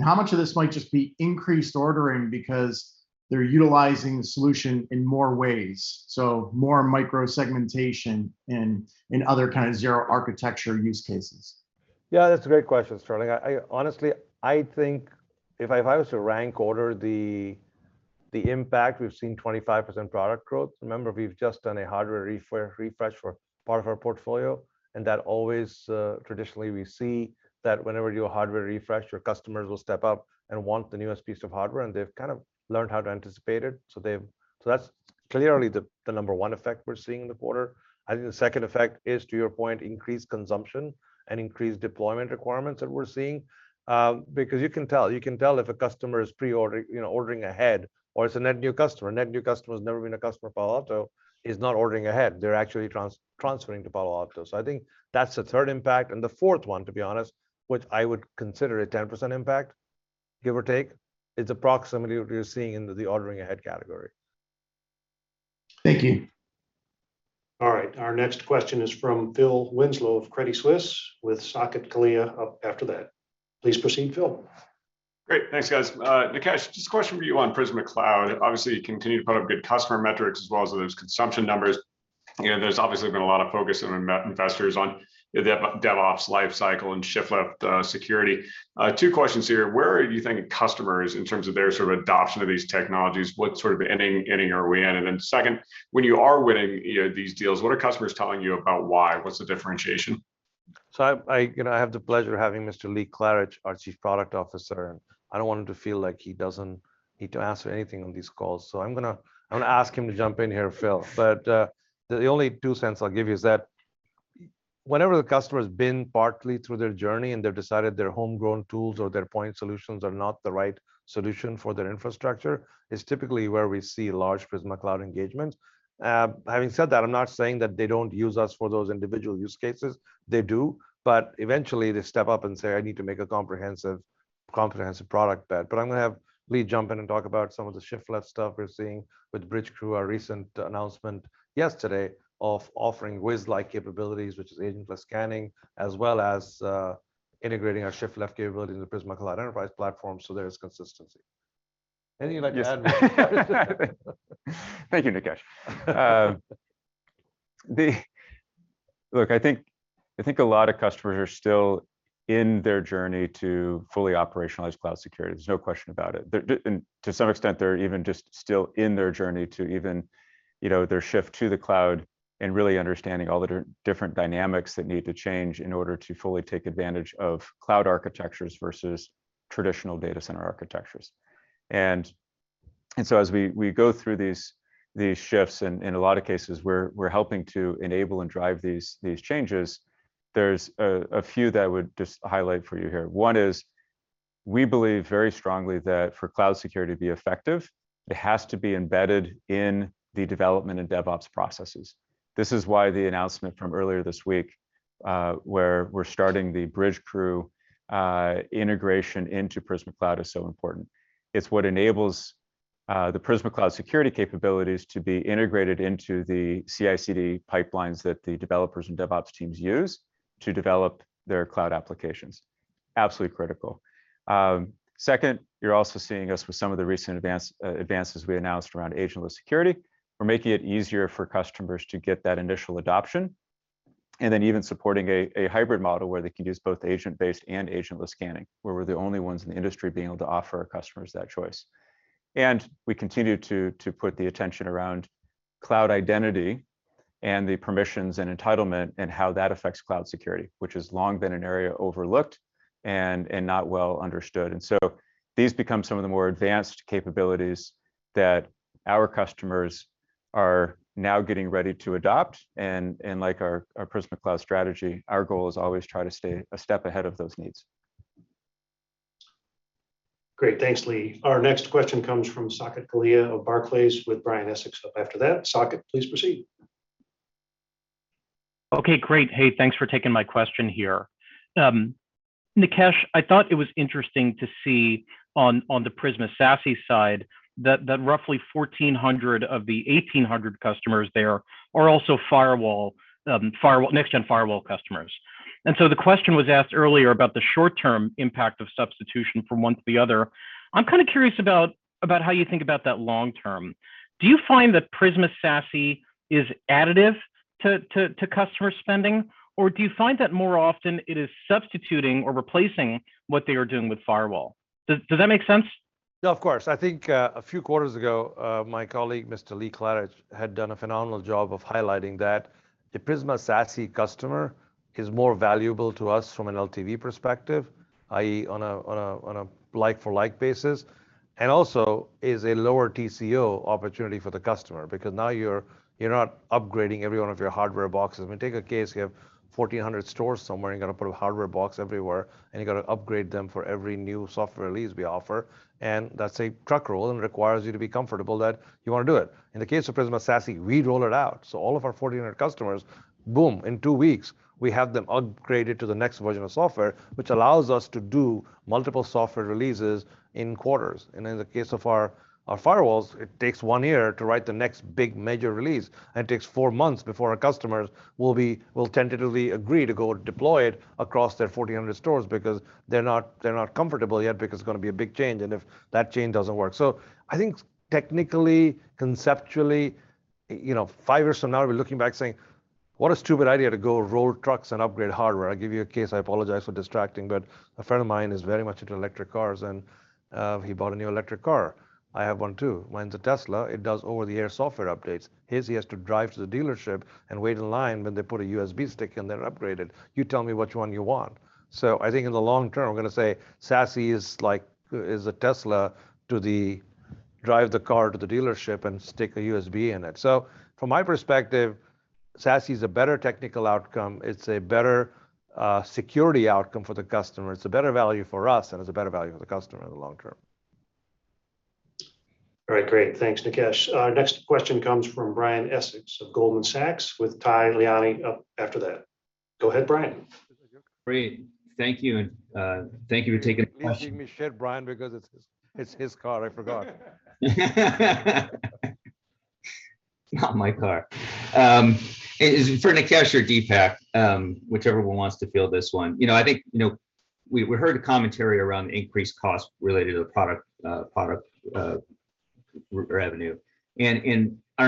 How much of this might just be increased ordering because they're utilizing the solution in more ways, so more micro-segmentation in other kind of Zero Trust architecture use cases? Yeah, that's a great question, Sterling. I honestly think if I was to rank order the impact, we've seen 25% product growth. Remember, we've just done a hardware refresh for part of our portfolio, and that always traditionally we see that whenever you do a hardware refresh, your customers will step up and want the newest piece of hardware, and they've kind of learned how to anticipate it. So that's clearly the number one effect we're seeing in the quarter. I think the second effect is, to your point, increased consumption and increased deployment requirements that we're seeing, because you can tell. You can tell if a customer is preordering, you know, ordering ahead, or it's a net new customer. A net new customer who's never been a customer of Palo Alto is not ordering ahead. They're actually transferring to Palo Alto. I think that's the third impact. The fourth one, to be honest, which I would consider a 10% impact, give or take, is the proximity you're seeing in the ordering ahead category. Thank you. All right. Our next question is from Phil Winslow of Credit Suisse, with Saket Kalia up after that. Please proceed, Phil. Great. Thanks, guys. Nikesh, just a question for you on Prisma Cloud. Obviously, you continue to put up good customer metrics as well as those consumption numbers. You know, there's obviously been a lot of focus among investors on the DevOps lifecycle and shift left security. Two questions here. Where are you seeing customers in terms of their sort of adoption of these technologies? What sort of inning are we in? And then second, when you are winning, you know, these deals, what are customers telling you about why? What's the differentiation? You know, I have the pleasure of having Mr. Lee Klarich, our Chief Product Officer, and I don't want him to feel like he doesn't need to answer anything on these calls. I'm gonna ask him to jump in here, Phil. The only two cents I'll give you is that whenever the customer's been partly through their journey and they've decided their homegrown tools or their point solutions are not the right solution for their infrastructure, it's typically where we see large Prisma Cloud engagements. Having said that, I'm not saying that they don't use us for those individual use cases. They do. Eventually they step up and say, "I need to make a comprehensive product bet." I'm gonna have Lee jump in and talk about some of the shift left stuff we're seeing with Bridgecrew, our recent announcement yesterday of offering Wiz-like capabilities, which is agentless scanning, as well as integrating our shift left capability in the Prisma Cloud Enterprise platform so there is consistency. Anything you'd like to add, Lee? Yes. Thank you, Nikesh. Look, I think a lot of customers are still in their journey to fully operationalize cloud security. There's no question about it. To some extent, they're even just still in their journey to even, you know, their shift to the cloud and really understanding all the different dynamics that need to change in order to fully take advantage of cloud architectures versus traditional data center architectures. As we go through these shifts, in a lot of cases, we're helping to enable and drive these changes. There's a few that I would just highlight for you here. One is we believe very strongly that for cloud security to be effective, it has to be embedded in the development and DevOps processes. This is why the announcement from earlier this week, where we're starting the Bridgecrew integration into Prisma Cloud is so important. It's what enables the Prisma Cloud security capabilities to be integrated into the CI/CD pipelines that the developers and DevOps teams use to develop their cloud applications. Absolutely critical. Second, you're also seeing us with some of the recent advances we announced around agentless security. We're making it easier for customers to get that initial adoption and then even supporting a hybrid model where they can use both agent-based and agentless scanning, where we're the only ones in the industry being able to offer our customers that choice. We continue to put the attention around cloud identity and the permissions and entitlement and how that affects cloud security, which has long been an area overlooked and not well understood. These become some of the more advanced capabilities that our customers are now getting ready to adopt and like our Prisma Cloud strategy, our goal is always try to stay a step ahead of those needs. Great. Thanks, Lee. Our next question comes from Saket Kalia of Barclays with Brian Essex up after that. Saket, please proceed. Okay, great. Hey, thanks for taking my question here. Nikesh, I thought it was interesting to see on the Prisma SASE side that roughly 1,400 of the 1,800 customers there are also firewall next-gen firewall customers. The question was asked earlier about the short-term impact of substitution from one to the other. I'm kinda curious about how you think about that long term. Do you find that Prisma SASE is additive to customer spending? Or do you find that more often it is substituting or replacing what they are doing with firewall? Does that make sense? Yeah, of course. I think a few quarters ago my colleague, Mr. Lee Klarich, had done a phenomenal job of highlighting that the Prisma SASE customer is more valuable to us from an LTV perspective, i.e., on a like for like basis, and also is a lower TCO opportunity for the customer because now you're not upgrading every one of your hardware boxes. I mean, take a case, you have 1,400 stores somewhere, and you gotta put a hardware box everywhere, and you gotta upgrade them for every new software release we offer, and that's a truck roll, and it requires you to be comfortable that you wanna do it. In the case of Prisma SASE, we roll it out. All of our 1,400 customers, boom, in two weeks, we have them upgraded to the next version of software, which allows us to do multiple software releases in quarters. In the case of our firewalls, it takes one year to write the next big major release, and it takes four months before our customers will tentatively agree to go deploy it across their 1,400 stores because they're not comfortable yet because it's gonna be a big change and if that change doesn't work. I think technically, conceptually, you know, five years from now, we'll be looking back saying, "What a stupid idea to go roll trucks and upgrade hardware." I'll give you a case, I apologize for distracting, but a friend of mine is very much into electric cars, and he bought a new electric car. I have one too. Mine's a Tesla. It does over-the-air software updates. His, he has to drive to the dealership and wait in line when they put a USB stick in there to upgrade it. You tell me which one you want. I think in the long term, we're gonna say SASE is like a Tesla to the drive the car to the dealership and stick a USB in it. From my perspective, SASE is a better technical outcome. It's a better security outcome for the customer. It's a better value for us, and it's a better value for the customer in the long term. All right, great. Thanks, Nikesh. Our next question comes from Brian Essex of Goldman Sachs with Tal Liani up after that. Go ahead, Brian. Great. Thank you, and, thank you for taking the question. Lee's giving me shit, Brian, because it's his car. I forgot. Not my call. It is for Nikesh or Dipak, whichever one wants to field this one. You know, I think, you know, we heard a commentary around the increased cost related to the product revenue. I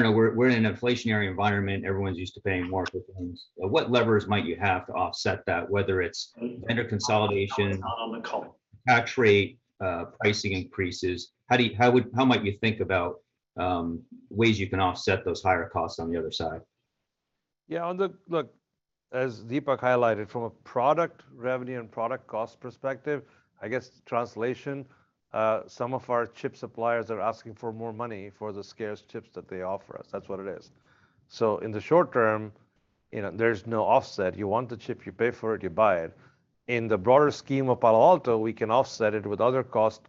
don't know, we're in an inflationary environment. Everyone's used to paying more for things. What levers might you have to offset that, whether it's vendor consolidation- It's not on the call. tax rate, pricing increases? How might you think about ways you can offset those higher costs on the other side? Yeah, look, as Dipak highlighted, from a product revenue and product cost perspective, I guess translation, some of our chip suppliers are asking for more money for the scarce chips that they offer us. That's what it is. In the short term, you know, there's no offset. You want the chip, you pay for it, you buy it. In the broader scheme of Palo Alto, we can offset it with other cost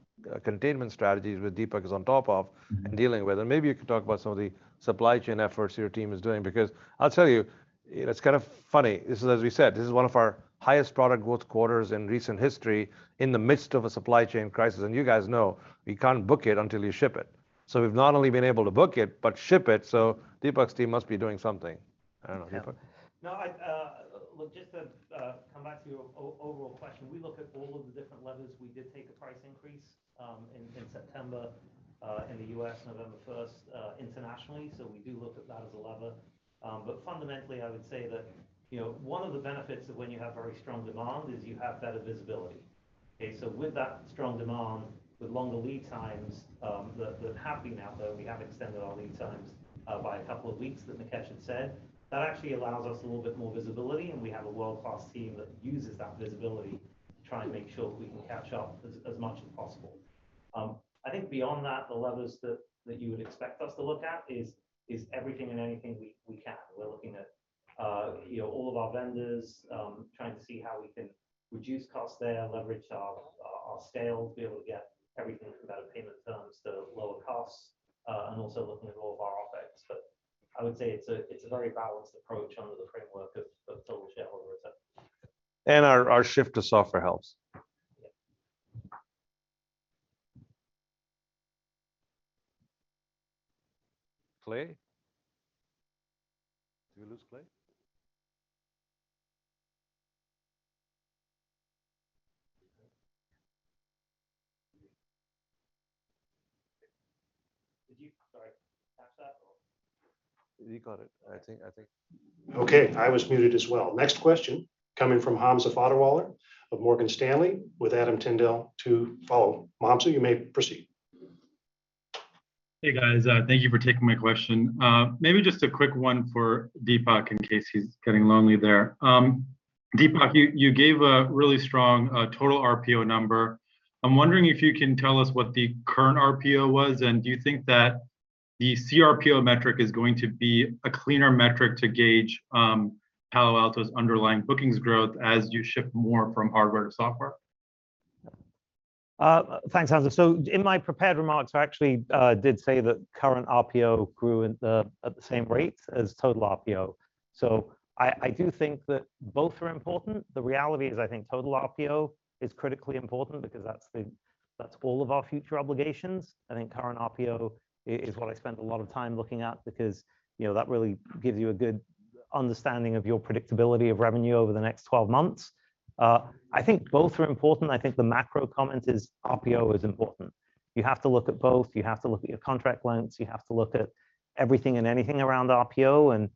containment strategies, which Dipak is on top of and dealing with. Maybe you can talk about some of the supply chain efforts your team is doing, because I'll tell you, it's kind of funny. This is, as we said, one of our highest product growth quarters in recent history in the midst of a supply chain crisis, and you guys know you can't book it until you ship it. We've not only been able to book it but ship it, so Dipak's team must be doing something. I don't know, Dipak. No, I look, just to come back to your overall question, we look at all of the different levers. We did take a price increase in September in the U.S., November first internationally, so we do look at that as a lever. But fundamentally, I would say that, you know, one of the benefits of when you have very strong demand is you have better visibility. Okay, so with that strong demand, with longer lead times that have been out there, we have extended our lead times by a couple of weeks that Nikesh had said. That actually allows us a little bit more visibility, and we have a world-class team that uses that visibility to try and make sure we can catch up as much as possible. I think beyond that, the levers that you would expect us to look at is everything and anything we can. We're looking at, you know, all of our vendors, trying to see how we can reduce costs there, leverage our scales, be able to get everything from better payment terms to lower costs, and also looking at all of our OpEx. I would say it's a very balanced approach under the framework of total shareholder return. Our shift to software helps. Clay? Did we lose Clay? Did you, sorry, catch that or? He got it. I think. Okay. I was muted as well. Next question coming from Hamza Fodderwala of Morgan Stanley, with Adam Tindle to follow. Hamza, you may proceed. Hey, guys. Thank you for taking my question. Maybe just a quick one for Dipak in case he's getting lonely there. Dipak, you gave a really strong total RPO number. I'm wondering if you can tell us what the current RPO was, and do you think that the CRPO metric is going to be a cleaner metric to gauge Palo Alto's underlying bookings growth as you ship more from hardware to software? Thanks, Hamza. In my prepared remarks, I actually did say that current RPO grew in the, at the same rate as total RPO. I do think that both are important. The reality is I think total RPO is critically important because that's all of our future obligations. I think current RPO is what I spent a lot of time looking at because, you know, that really gives you a good understanding of your predictability of revenue over the next 12 months. I think both are important. I think the macro comment is RPO is important. You have to look at both. You have to look at your contract lengths. You have to look at everything and anything around RPO.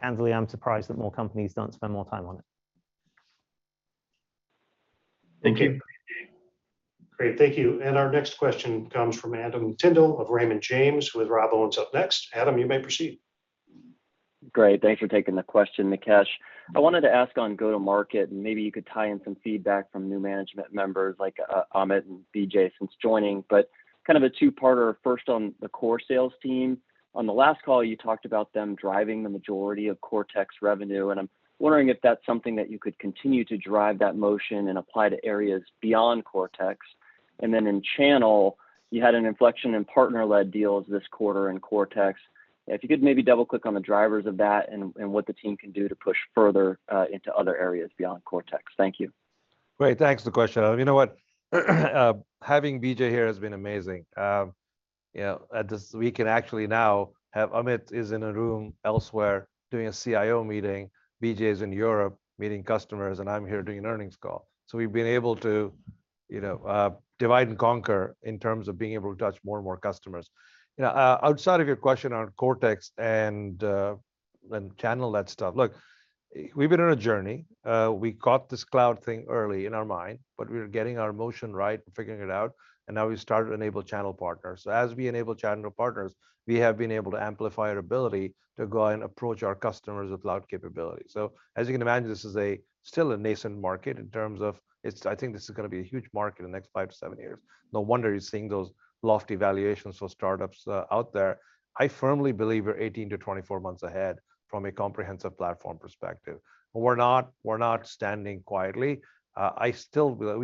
Candidly, I'm surprised that more companies don't spend more time on it. Thank you. Great. Thank you. Our next question comes from Adam Tindle of Raymond James, with Rob Owens up next. Adam, you may proceed. Great. Thanks for taking the question, Nikesh. I wanted to ask on go-to-market, and maybe you could tie in some feedback from new management members like, Amit and Vijay since joining. Kind of a two-parter. First on the core sales team. On the last call, you talked about them driving the majority of Cortex revenue, and I'm wondering if that's something that you could continue to drive that motion and apply to areas beyond Cortex. Then in channel, you had an inflection in partner-led deals this quarter in Cortex. If you could maybe double-click on the drivers of that and what the team can do to push further into other areas beyond Cortex. Thank you. Great. Thanks for the question. You know what? Having Vijay here has been amazing. We can actually now have Amit in a room elsewhere doing a CIO meeting, Vijay in Europe meeting customers, and I'm here doing an earnings call. We've been able to, you know, divide and conquer in terms of being able to touch more and more customers. You know, outside of your question on Cortex and channel that stuff, look, we've been on a journey. We caught this cloud thing early in our mind, but we're getting our motion right, figuring it out, and now we started to enable channel partners. As we enable channel partners, we have been able to amplify our ability to go and approach our customers with cloud capability. As you can imagine, this is still a nascent market. I think this is gonna be a huge market in the next five to seven years. No wonder you're seeing those lofty valuations for startups out there. I firmly believe we're 18-24 months ahead from a comprehensive platform perspective. We're not standing quietly. We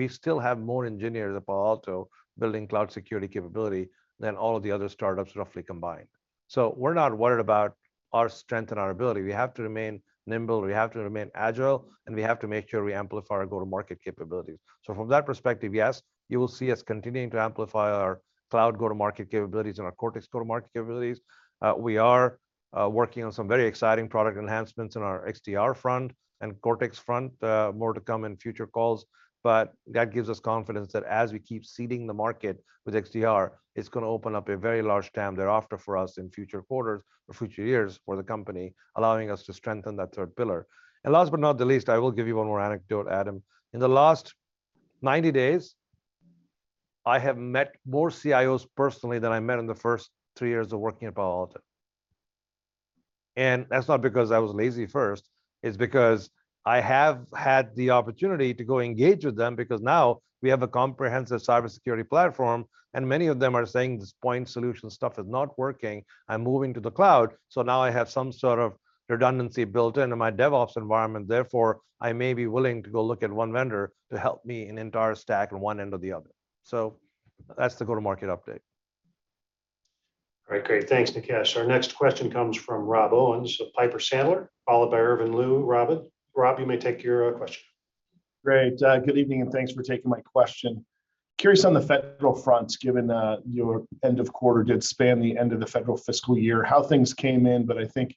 still have more engineers at Palo Alto building cloud security capability than all of the other startups roughly combined. We're not worried about our strength and our ability. We have to remain nimble, we have to remain agile, and we have to make sure we amplify our go-to-market capabilities. From that perspective, yes, you will see us continuing to amplify our cloud go-to-market capabilities and our Cortex go-to-market capabilities. We are working on some very exciting product enhancements in our XDR front and Cortex front, more to come in future calls. That gives us confidence that as we keep seeding the market with XDR, it's gonna open up a very large dam thereafter for us in future quarters or future years for the company, allowing us to strengthen that third pillar. Last but not the least, I will give you one more anecdote, Adam. In the last 90 days, I have met more CIOs personally than I met in the first three years of working at Palo Alto. That's not because I was lazy first. It's because I have had the opportunity to go engage with them because now we have a comprehensive cybersecurity platform, and many of them are saying this point solution stuff is not working. I'm moving to the cloud, so now I have some sort of redundancy built into my DevOps environment. Therefore, I may be willing to go look at one vendor to help me in entire stack on one end or the other. That's the go-to-market update. All right. Great. Thanks, Nikesh. Our next question comes from Rob Owens of Piper Sandler, followed by Irvin Liu, Robin. Rob, you may take your question. Great. Good evening, and thanks for taking my question. Curious on the federal front, given that your end of quarter did span the end of the federal fiscal year, how things came in. I think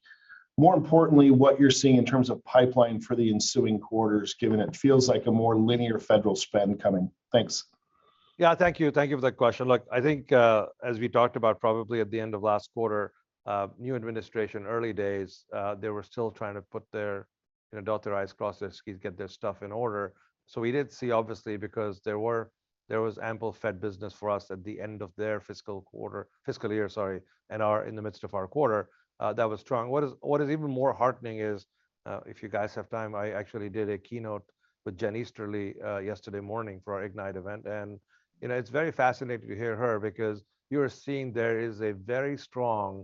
more importantly, what you're seeing in terms of pipeline for the ensuing quarters, given it feels like a more linear federal spend coming. Thanks. Yeah, thank you. Thank you for that question. Look, I think, as we talked about probably at the end of last quarter, new administration, early days, they were still trying to put their, you know, dot their i's, cross their t's, get their stuff in order. So we did see, obviously, because there was ample Fed business for us at the end of their fiscal quarter, fiscal year, sorry, and our, in the midst of our quarter, that was strong. What is even more heartening is, if you guys have time, I actually did a keynote with Jen Easterly, yesterday morning for our Ignite event. You know, it's very fascinating to hear her because you're seeing there is a very strong,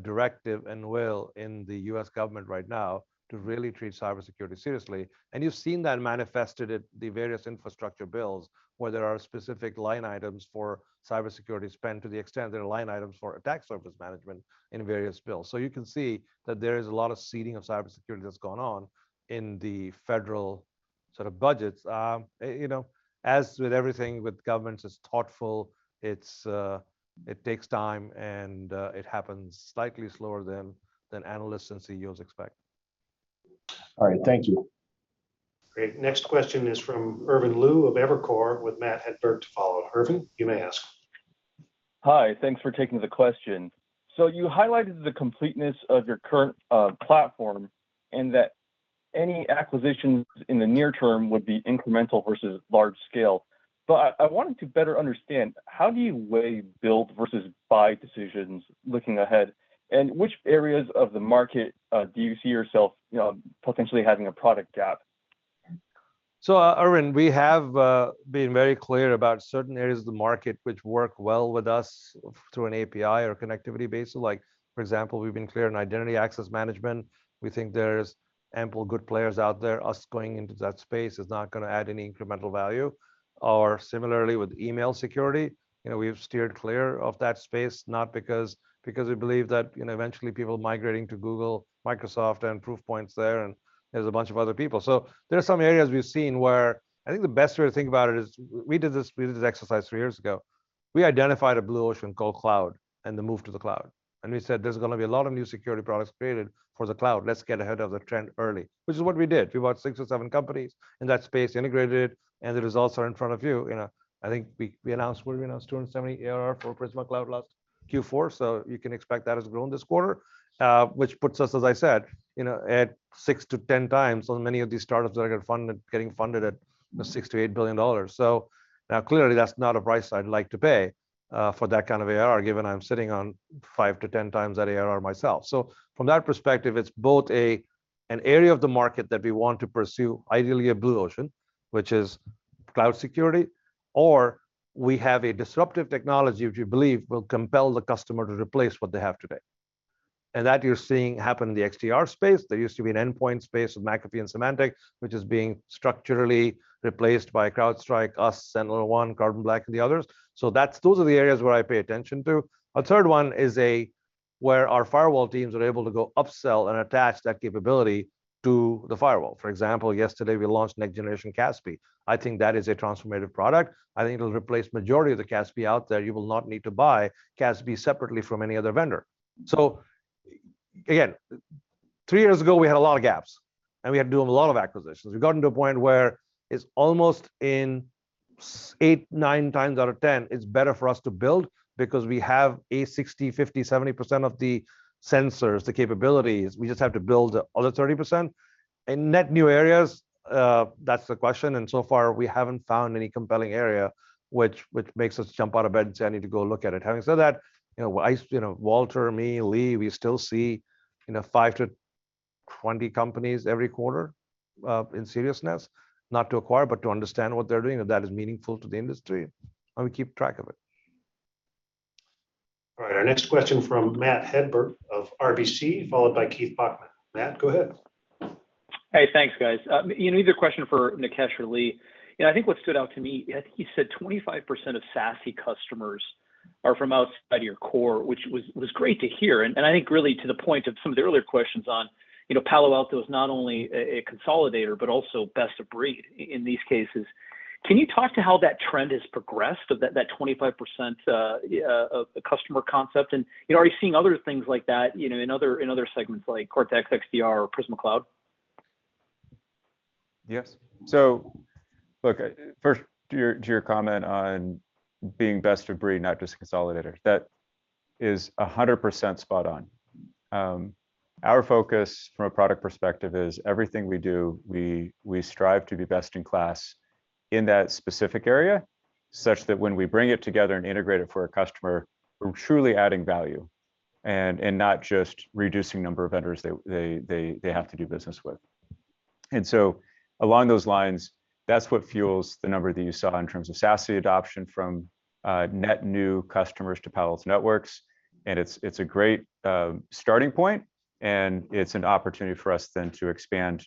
directive and will in the U.S. government right now to really treat cybersecurity seriously. You've seen that manifested at the various infrastructure bills, where there are specific line items for cybersecurity spend to the extent there are line items for attack surface management in various bills. You can see that there is a lot of seeding of cybersecurity that's gone on in the federal sort of budgets, you know, as with everything with governments, it's thoughtful, it takes time, and it happens slightly slower than analysts and CEOs expect. All right, thank you. Great. Next question is from Irvin Liu of Evercore, with Matthew Hedberg to follow. Irvin, you may ask. Hi. Thanks for taking the question. You highlighted the completeness of your current platform, and that any acquisitions in the near term would be incremental versus large scale. I wanted to better understand, how do you weigh build versus buy decisions looking ahead, and which areas of the market do you see yourself, you know, potentially having a product gap? Irvin, we have been very clear about certain areas of the market which work well with us through an API or connectivity base. Like for example, we've been clear in identity access management. We think there's ample good players out there. Us going into that space is not gonna add any incremental value. Or similarly with email security. You know, we've steered clear of that space, not because we believe that, you know, eventually people migrating to Google, Microsoft, and Proofpoint's there, and there's a bunch of other people. There are some areas we've seen where I think the best way to think about it is we did this exercise three years ago. We identified a blue ocean called cloud and the move to the cloud. We said, "There's gonna be a lot of new security products created for the cloud. Let's get ahead of the trend early." Which is what we did. We bought six or seven companies in that space, integrated, and the results are in front of you. You know, I think we announced 270 ARR for Prisma Cloud last Q4, so you can expect that has grown this quarter. Which puts us, as I said, you know, at 6x-10x on many of these startups that are getting funded at $6 billion-$8 billion. Now, clearly that's not a price I'd like to pay for that kind of ARR, given I'm sitting on 5x-10x that ARR myself. From that perspective, it's both an area of the market that we want to pursue, ideally a blue ocean, which is cloud security, or we have a disruptive technology which we believe will compel the customer to replace what they have today. That you're seeing happen in the XDR space. There used to be an endpoint space with McAfee and Symantec, which is being structurally replaced by CrowdStrike, us, SentinelOne, Carbon Black, and the others. Those are the areas where I pay attention to. A third one is where our firewall teams are able to go upsell and attach that capability to the firewall. For example, yesterday we launched next-generation CASB. I think that is a transformative product. I think it'll replace majority of the CASB out there. You will not need to buy CASB separately from any other vendor. Again, three years ago we had a lot of gaps, and we had to do a lot of acquisitions. We've gotten to a point where it's almost eight, nine times out of 10, it's better for us to build because we have a 60%, 50%, 70% of the sensors, the capabilities. We just have to build the other 30%. In net new areas, that's the question, and so far we haven't found any compelling area which makes us jump out of bed and say, "I need to go look at it." Having said that, you know, Walter, me, Lee, we still see, you know, five to 20 companies every quarter, in seriousness. Not to acquire, but to understand what they're doing if that is meaningful to the industry, and we keep track of it. All right. Our next question from Matthew Hedberg of RBC, followed by Keith Bachman. Matt, go ahead. Hey, thanks, guys. You know, either question for Nikesh or Lee. You know, I think what stood out to me, I think you said 25% of SASE customers are from outside your core, which was great to hear. I think really to the point of some of the earlier questions on, you know, Palo Alto is not only a consolidator, but also best of breed in these cases. Can you talk to how that trend has progressed of that 25% of the customer conquest? You know, are you seeing other things like that, you know, in other segments like Cortex XDR or Prisma Cloud? Yes. Look, first to your comment on being best of breed, not just consolidator, that is 100% spot on. Our focus from a product perspective is everything we do, we strive to be best in class in that specific area, such that when we bring it together and integrate it for a customer, we're truly adding value and not just reducing number of vendors they have to do business with. Along those lines, that's what fuels the number that you saw in terms of SASE adoption from net new customers to Palo Alto Networks. It's a great starting point, and it's an opportunity for us then to expand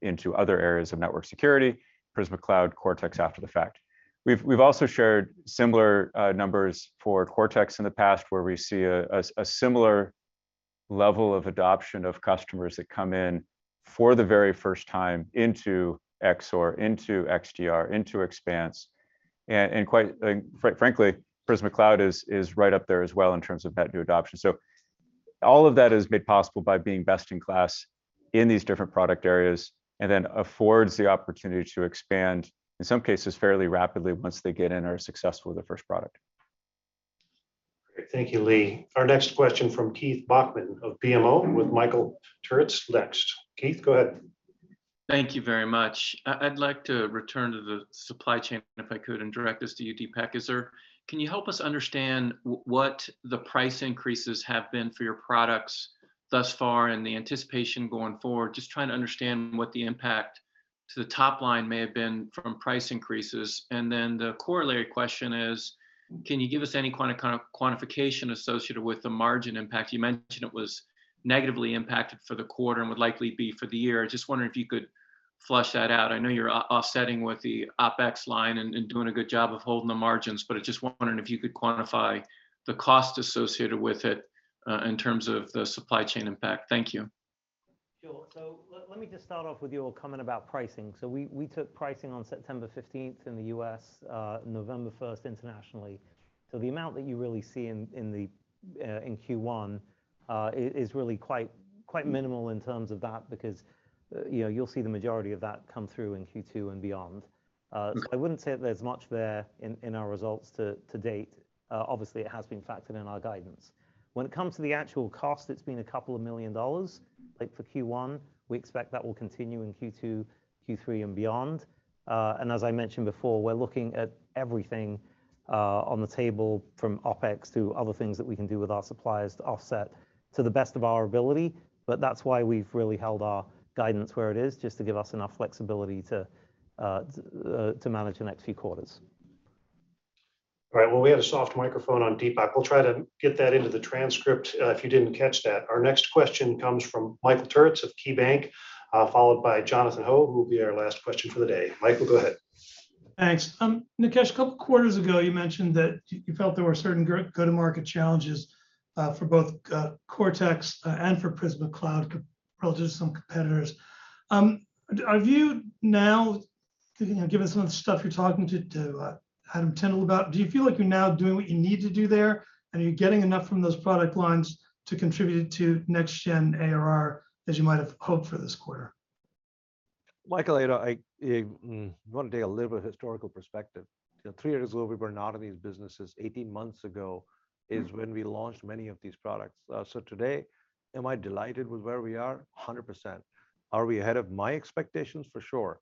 into other areas of network security, Prisma Cloud, Cortex after the fact. We've also shared similar numbers for Cortex in the past, where we see a similar level of adoption of customers that come in for the very first time into XSOAR, into XDR, into Xpanse. Quite frankly, Prisma Cloud is right up there as well in terms of net new adoption. All of that is made possible by being best in class in these different product areas, and then affords the opportunity to expand, in some cases fairly rapidly once they get in or are successful with the first product. Great. Thank you, Lee. Our next question from Keith Bachman of BMO, with Michael Turits next. Keith, go ahead. Thank you very much. I'd like to return to the supply chain, if I could, and direct this to you, Dipak. Can you help us understand what the price increases have been for your products thus far and the anticipation going forward? Just trying to understand what the impact to the top line may have been from price increases. Then the corollary question is, can you give us any kind of quantification associated with the margin impact? You mentioned it was negatively impacted for the quarter and would likely be for the year. I'm just wondering if you could flesh that out. I know you're offsetting with the OpEx line and doing a good job of holding the margins, but I'm just wondering if you could quantify the cost associated with it, in terms of the supply chain impact. Thank you. Let me just start off with your comment about pricing. We took pricing on September 15th in the U.S., November first internationally. The amount that you really see in Q1 is really quite minimal in terms of that because you know, you'll see the majority of that come through in Q2 and beyond. Mm-hmm I wouldn't say there's much there in our results to date. Obviously it has been factored in our guidance. When it comes to the actual cost, it's been a couple of million dollars, like for Q1. We expect that will continue in Q2, Q3, and beyond. As I mentioned before, we're looking at everything on the table from OpEx to other things that we can do with our suppliers to offset to the best of our ability. That's why we've really held our guidance where it is, just to give us enough flexibility to manage the next few quarters. All right. Well, we had a soft microphone on Dipak. We'll try to get that into the transcript, if you didn't catch that. Our next question comes from Michael Turits of KeyBanc Capital Markets, followed by Jonathan Ho, who will be our last question for the day. Michael, go ahead. Thanks. Nikesh, a couple quarters ago you mentioned that you felt there were certain go to market challenges for both Cortex and for Prisma Cloud relative to some competitors. Have you now, you know, given some of the stuff you're talking to Adam Tindle about, do you feel like you're now doing what you need to do there? Are you getting enough from those product lines to contribute to next gen ARR as you might have hoped for this quarter? Michael, you know, I want to take a little bit of historical perspective. You know, three years ago we were not in these businesses. 18 months ago is when we launched many of these products. Today am I delighted with where we are? 100%. Are we ahead of my expectations? For sure.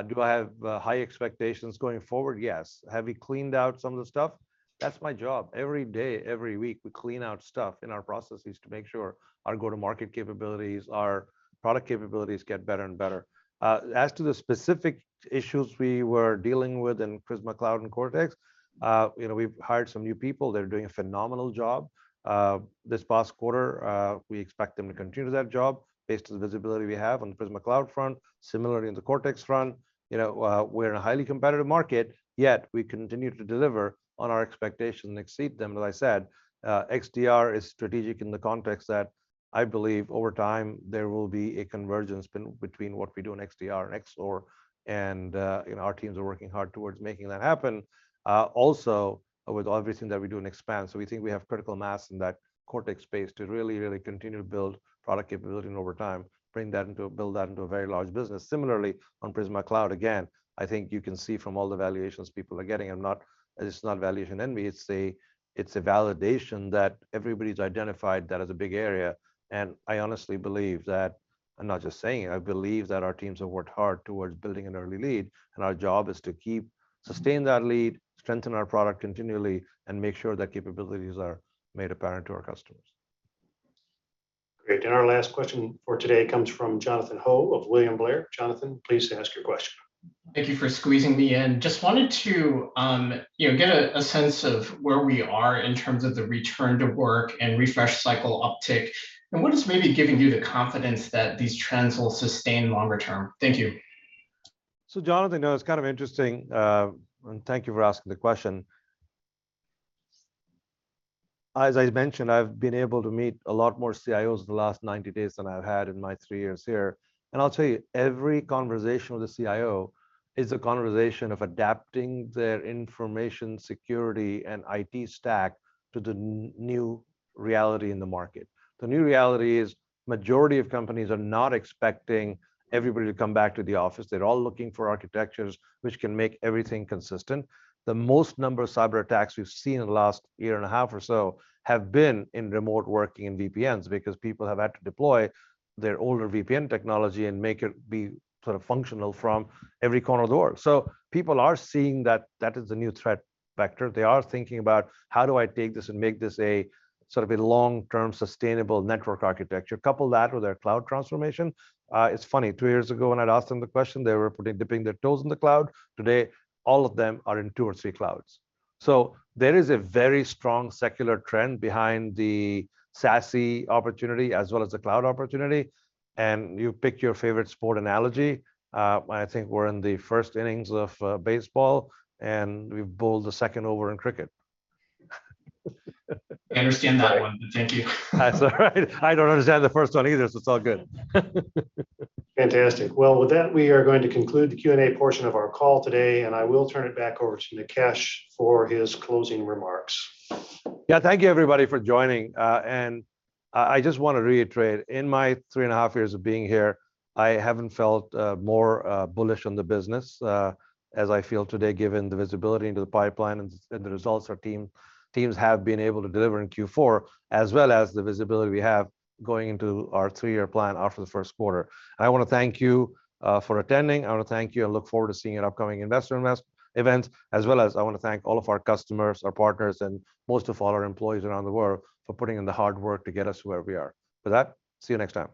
Do I have high expectations going forward? Yes. Have we cleaned out some of the stuff? That's my job. Every day, every week, we clean out stuff in our processes to make sure our go-to-market capabilities, our product capabilities get better and better. As to the specific issues we were dealing with in Prisma Cloud and Cortex, you know, we've hired some new people. They're doing a phenomenal job, this past quarter. We expect them to continue that job based on the visibility we have on the Prisma Cloud front. Similarly, in the Cortex front. You know, we're in a highly competitive market, yet we continue to deliver on our expectations and exceed them. As I said, XDR is strategic in the context that I believe over time there will be a convergence between what we do in XDR and XSOAR and, you know, our teams are working hard towards making that happen. Also with everything that we do in Xpanse. We think we have critical mass in that Cortex space to really continue to build product capability and over time build that into a very large business. Similarly, on Prisma Cloud, again, I think you can see from all the valuations people are getting, it's not valuation envy, it's a validation that everybody's identified that as a big area. I honestly believe that, I'm not just saying it, I believe that our teams have worked hard towards building an early lead, and our job is to keep, sustain that lead, strengthen our product continually, and make sure that capabilities are made apparent to our customers. Great. Our last question for today comes from Jonathan Ho of William Blair. Jonathan, please ask your question. Thank you for squeezing me in. Just wanted to, you know, get a sense of where we are in terms of the return to work and refresh cycle uptick, and what is maybe giving you the confidence that these trends will sustain longer term. Thank you. Jonathan, you know, it's kind of interesting, and thank you for asking the question. As I mentioned, I've been able to meet a lot more CIOs in the last 90 days than I've had in my three years here. I'll tell you, every conversation with a CIO is a conversation of adapting their information security and IT stack to the new reality in the market. The new reality is majority of companies are not expecting everybody to come back to the office. They're all looking for architectures which can make everything consistent. The most number of cyber attacks we've seen in the last year and a half or so have been in remote working and VPNs because people have had to deploy their older VPN technology and make it be sort of functional from every corner of the world. People are seeing that that is the new threat vector. They are thinking about how do I take this and make this a sort of a long-term sustainable network architecture? Couple that with their cloud transformation. It's funny, two years ago when I'd asked them the question, they were putting, dipping their toes in the cloud. Today, all of them are in two or three clouds. There is a very strong secular trend behind the SASE opportunity as well as the cloud opportunity, and you pick your favorite sport analogy. I think we're in the first innings of baseball and we've bowled the second over in cricket. I understand that one. Thank you. That's all right. I don't understand the first one either, so it's all good. Fantastic. Well, with that, we are going to conclude the Q&A portion of our call today, and I will turn it back over to Nikesh for his closing remarks. Yeah. Thank you everybody for joining. I just wanna reiterate, in my three and a half years of being here, I haven't felt more bullish on the business as I feel today given the visibility into the pipeline and the results our teams have been able to deliver in Q4, as well as the visibility we have going into our three-year plan after the first quarter. I wanna thank you for attending. I wanna thank you. I look forward to seeing you at upcoming investor events as well as I wanna thank all of our customers, our partners, and most of all, our employees around the world for putting in the hard work to get us where we are. With that, see you next time.